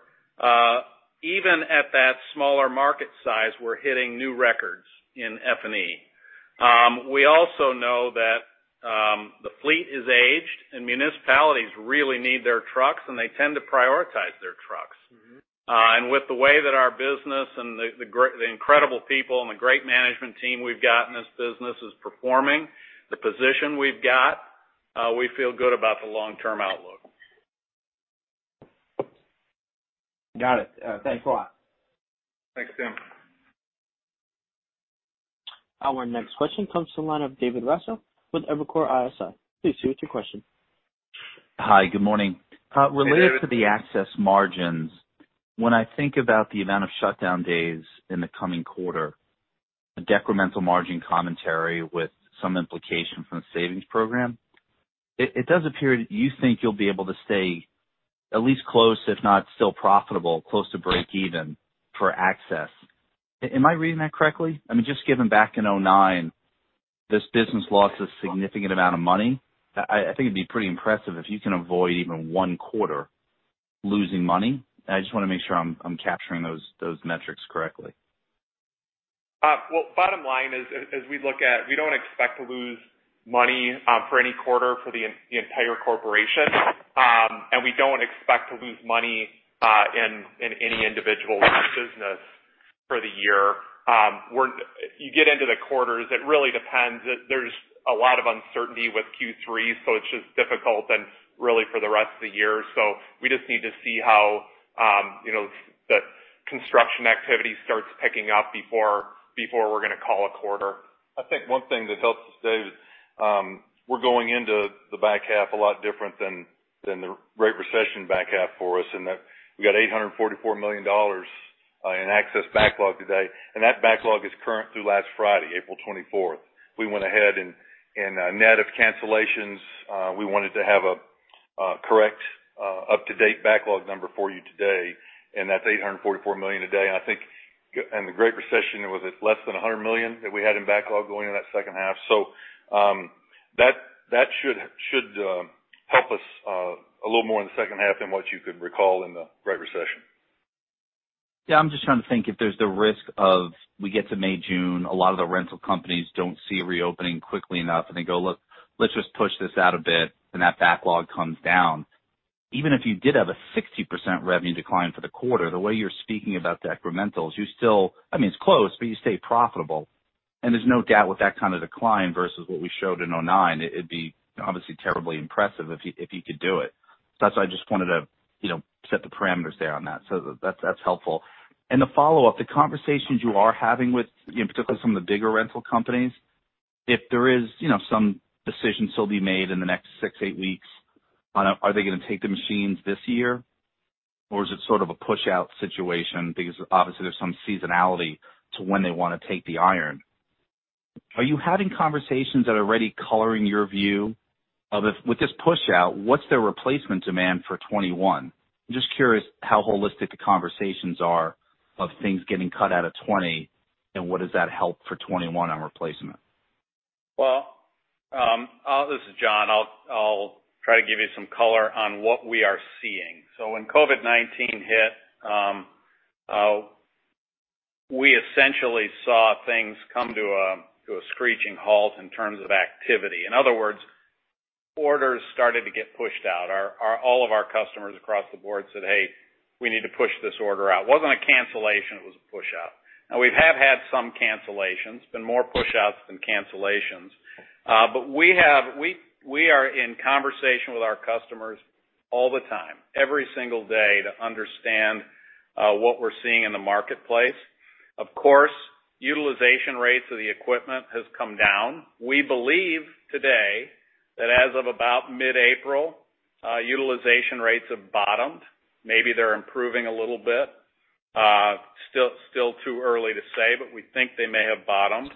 Even at that smaller market size, we're hitting new records in FNE. We also know that the fleet is aged, and municipalities really need their trucks, and they tend to prioritize their trucks. Mm-hmm. With the way that our business and the incredible people and the great management team we've got in this business is performing, the position we've got, we feel good about the long-term outlook... Got it. Thanks a lot. Thanks, Tim. Our next question comes from the line of David Raso with Evercore ISI. Please see what's your question? Hi, good morning. Hey, David. Related to the access margins, when I think about the amount of shutdown days in the coming quarter, a decremental margin commentary with some implication from the savings program, it, it does appear you think you'll be able to stay at least close, if not still profitable, close to breakeven for access. Am I reading that correctly? I mean, just given back in 2009, this business lost a significant amount of money. I, I think it'd be pretty impressive if you can avoid even one quarter losing money. I just wanna make sure I'm, I'm capturing those, those metrics correctly. Well, bottom line is, as we look at, we don't expect to lose money for any quarter for the entire corporation. And we don't expect to lose money in any individual business for the year. You get into the quarters, it really depends. There's a lot of uncertainty with Q3, so it's just difficult and really for the rest of the year. So we just need to see how, you know, the construction activity starts picking up before we're gonna call a quarter. I think one thing that helps us, David, we're going into the back half a lot different than the Great Recession back half for us, in that we've got $844 million in access backlog today, and that backlog is current through last Friday, April 24. We went ahead and, net of cancellations, we wanted to have a correct, up-to-date backlog number for you today, and that's $844 million today. And I think, and the Great Recession, was it less than $100 million that we had in backlog going in that second half? So, that should help us a little more in the second half than what you could recall in the Great Recession. Yeah, I'm just trying to think if there's the risk of we get to May, June, a lot of the rental companies don't see a reopening quickly enough, and they go, "Look, let's just push this out a bit," and that backlog comes down. Even if you did have a 60% revenue decline for the quarter, the way you're speaking about decrementals, you still... I mean, it's close, but you stay profitable. And there's no doubt with that kind of decline versus what we showed in 2009, it'd be obviously terribly impressive if you, if you could do it. So that's why I just wanted to, you know, set the parameters there on that. So that, that's helpful. The follow-up, the conversations you are having with, you know, particularly some of the bigger rental companies, if there is, you know, some decisions to be made in the next six, eight weeks on, are they gonna take the machines this year? Or is it sort of a pushout situation? Because obviously, there's some seasonality to when they wanna take the iron. Are you having conversations that are already coloring your view of with this pushout, what's the replacement demand for 2021? I'm just curious how holistic the conversations are of things getting cut out of 2020, and what does that help for 2021 on replacement? Well, this is John. I'll try to give you some color on what we are seeing. So when COVID-19 hit, we essentially saw things come to a screeching halt in terms of activity. In other words, orders started to get pushed out. All of our customers across the board said, "Hey, we need to push this order out." It wasn't a cancellation, it was a pushout. Now, we have had some cancellations. It's been more pushouts than cancellations. But we are in conversation with our customers all the time, every single day, to understand what we're seeing in the marketplace. Of course, utilization rates of the equipment has come down. We believe today, that as of about mid-April, utilization rates have bottomed. Maybe they're improving a little bit. Still, still too early to say, but we think they may have bottomed.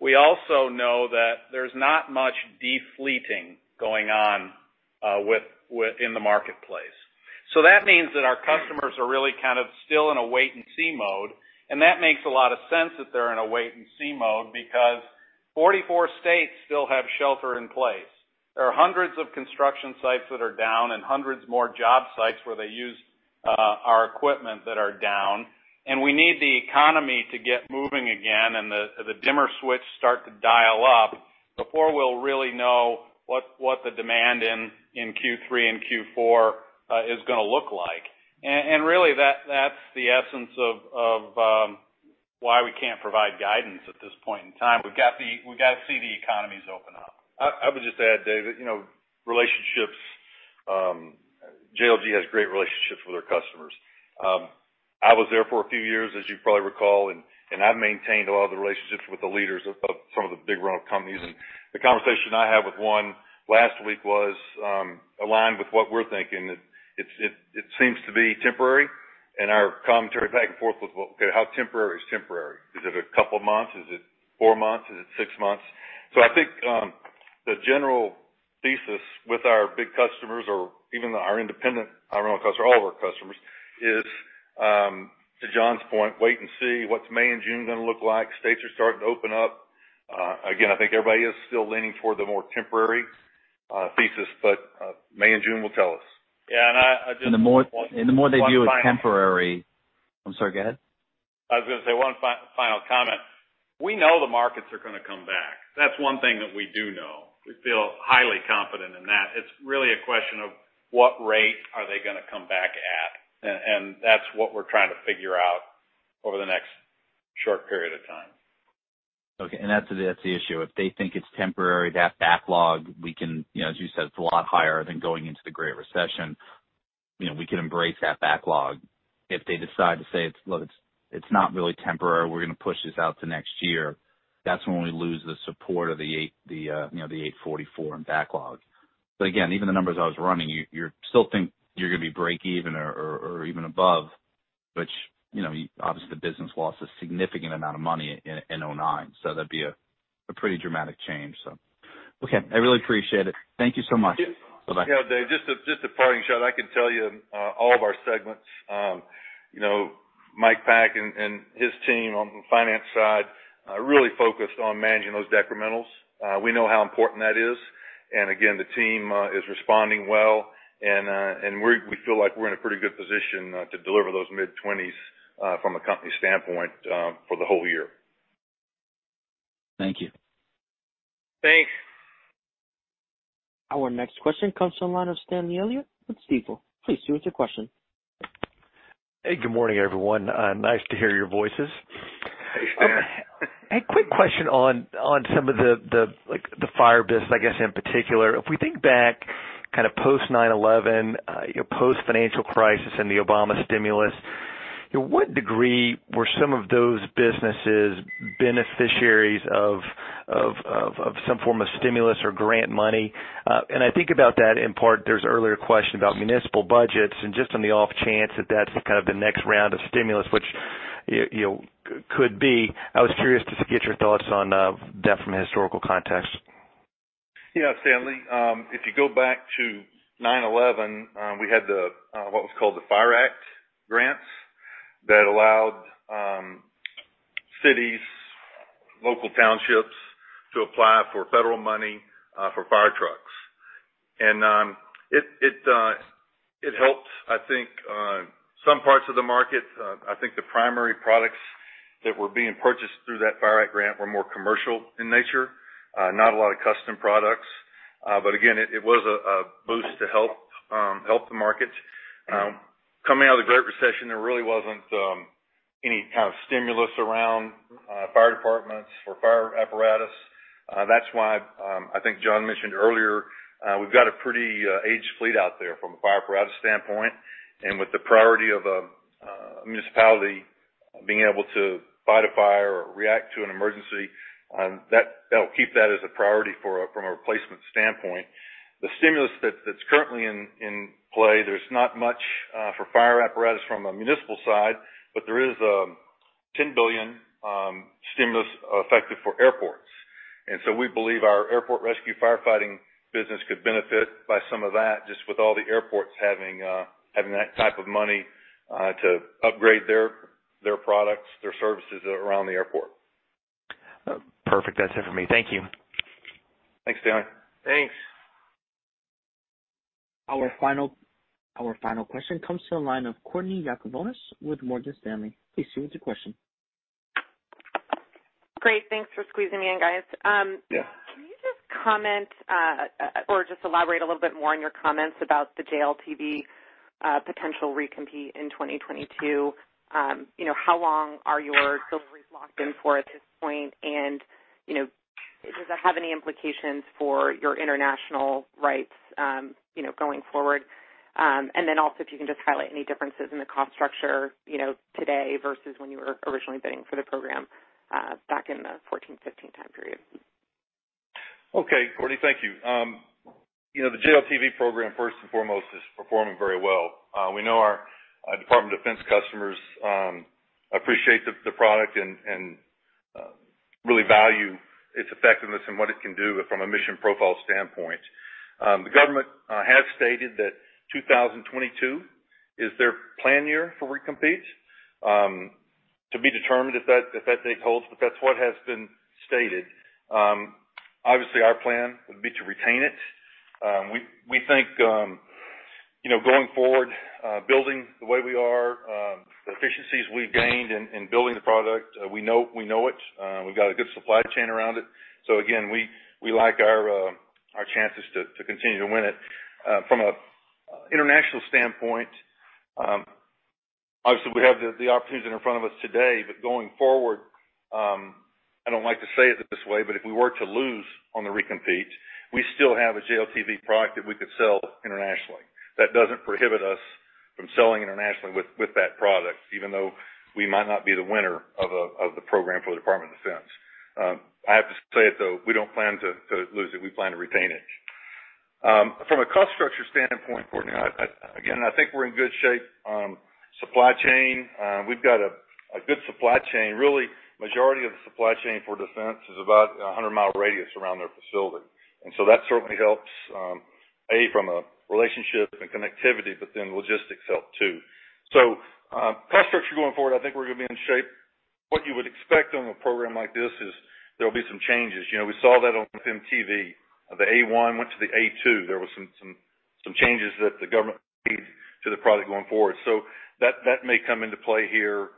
We also know that there's not much defleeting going on within the marketplace. So that means that our customers are really kind of still in a wait-and-see mode, and that makes a lot of sense that they're in a wait-and-see mode, because 44 states still have shelter in place. There are hundreds of construction sites that are down and hundreds more job sites where they use our equipment that are down, and we need the economy to get moving again, and the dimmer switch start to dial up before we'll really know what the demand in Q3 and Q4 is gonna look like. And really, that's the essence of why we can't provide guidance at this point in time. We've got to see the economies open up. I would just add, David, you know, relationships, JLG has great relationships with our customers. I was there for a few years, as you probably recall, and I've maintained a lot of the relationships with the leaders of some of the big rental companies. And the conversation I had with one last week was aligned with what we're thinking. It seems to be temporary, and our commentary back and forth was, well, okay, how temporary is temporary? Is it a couple of months? Is it four months? Is it six months? So I think the general thesis with our big customers or even our independent, our own customers, all of our customers, is, to John's point, wait and see what's May and June gonna look like. States are starting to open up. Again, I think everybody is still leaning toward the more temporary thesis, but May and June will tell us. Yeah, and I just- And the more they view as temporary... I'm sorry, go ahead. I was gonna say one final comment. We know the markets are gonna come back. That's one thing that we do know. We feel highly confident in that. It's really a question of what rate are they gonna come back at? And that's what we're trying to figure out over the next short period of time.... Okay, and that's the issue. If they think it's temporary, that backlog, we can, you know, as you said, it's a lot higher than going into the Great Recession. You know, we can embrace that backlog. If they decide to say, "It's, look, it's not really temporary, we're gonna push this out to next year," that's when we lose the support of the $844 million in backlog. So again, even the numbers I was running, you still think you're gonna be breakeven or even above, which, you know, obviously, the business lost a significant amount of money in 2009, so that'd be a pretty dramatic change. Okay, I really appreciate it. Thank you so much. Bye-bye. Yeah, Dave, just a parting shot. I can tell you, all of our segments, you know, Mike Pack and his team on the finance side really focused on managing those decrementals. We know how important that is, and again, the team is responding well, and we're in a pretty good position to deliver those mid-20s from a company standpoint for the whole year. Thank you. Thanks. Our next question comes from the line of Stanley Elliott with Stifel. Please state your question. Hey, good morning, everyone. Nice to hear your voices. Hey, Stan. A quick question on some of the like the fire business, I guess, in particular. If we think back kind of post 9/11, you know, post-financial crisis and the Obama stimulus, to what degree were some of those businesses beneficiaries of some form of stimulus or grant money? And I think about that, in part, there's earlier question about municipal budgets, and just on the off chance that that's kind of the next round of stimulus, which you know could be, I was curious to get your thoughts on that from a historical context. Yeah, Stanley, if you go back to 9/11, we had what was called the FIRE Act grants that allowed cities, local townships to apply for federal money for fire trucks. It helped, I think, some parts of the market. I think the primary products that were being purchased through that FIRE Act grant were more commercial in nature, not a lot of custom products. But again, it was a boost to help the market. Coming out of the Great Recession, there really wasn't any kind of stimulus around fire departments or fire apparatus. That's why, I think John mentioned earlier, we've got a pretty, aged fleet out there from a fire apparatus standpoint, and with the priority of, a municipality being able to fight a fire or react to an emergency, that, that'll keep that as a priority for a- from a replacement standpoint. The stimulus that's, that's currently in, in play, there's not much, for fire apparatus from a municipal side, but there is, $10 billion, stimulus effective for airports. And so we believe our airport rescue firefighting business could benefit by some of that, just with all the airports having, having that type of money, to upgrade their, their products, their services around the airport. Perfect. That's it for me. Thank you. Thanks, Stanley. Thanks. Our final question comes to the line of Courtney Yakavonis with Morgan Stanley. Please state your question. Great. Thanks for squeezing me in, guys. Yeah. Can you just comment, or just elaborate a little bit more on your comments about the JLTV, potential recompete in 2022? You know, how long are your deliveries locked in for at this point? And, you know, does that have any implications for your international rights, you know, going forward? And then also, if you can just highlight any differences in the cost structure, you know, today versus when you were originally bidding for the program, back in the 2014, 2015 time period. Okay, Courtney, thank you. You know, the JLTV program, first and foremost, is performing very well. We know our Department of Defense customers appreciate the product and really value its effectiveness and what it can do from a mission profile standpoint. The government has stated that 2022 is their plan year for recompete. To be determined if that date holds, but that's what has been stated. Obviously, our plan would be to retain it. We think, you know, going forward, building the way we are, the efficiencies we've gained in building the product, we know, we know it. We've got a good supply chain around it. So again, we like our chances to continue to win it. From an international standpoint, obviously, we have the opportunity in front of us today, but going forward, I don't like to say it this way, but if we were to lose on the recompete, we still have a JLTV product that we could sell internationally. That doesn't prohibit us from selling internationally with that product, even though we might not be the winner of the program for the Department of Defense. I have to say it, though, we don't plan to lose it. We plan to retain it. From a cost structure standpoint, Courtney, I again, I think we're in good shape. Supply chain, we've got a good supply chain. Really, majority of the supply chain for defense is about a 100-mile radius around their facility, and so that certainly helps from a relationship and connectivity, but then logistics help, too. So, cost structure going forward, I think we're gonna be in shape. What you would expect on a program like this is there'll be some changes. You know, we saw that on FMTV. The A1 went to the A2. There were some changes that the government made to the product going forward. So that may come into play here,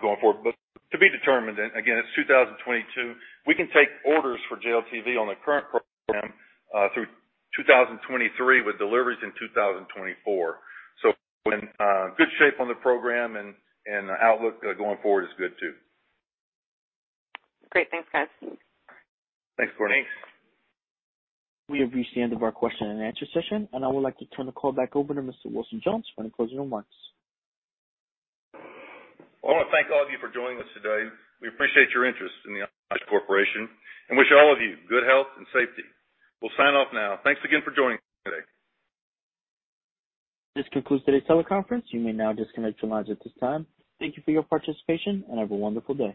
going forward, but to be determined. And again, it's 2022. We can take orders for JLTV on the current program through 2023, with deliveries in 2024.So we're in good shape on the program, and the outlook going forward is good, too. Great. Thanks, guys. Thanks, Courtney. Thanks. We have reached the end of our question and answer session, and I would like to turn the call back over to Mr. Wilson Jones for any closing remarks. I wanna thank all of you for joining us today. We appreciate your interest in the Oshkosh Corporation and wish all of you good health and safety. We'll sign off now. Thanks again for joining us today. This concludes today's teleconference. You may now disconnect your lines at this time. Thank you for your participation, and have a wonderful day.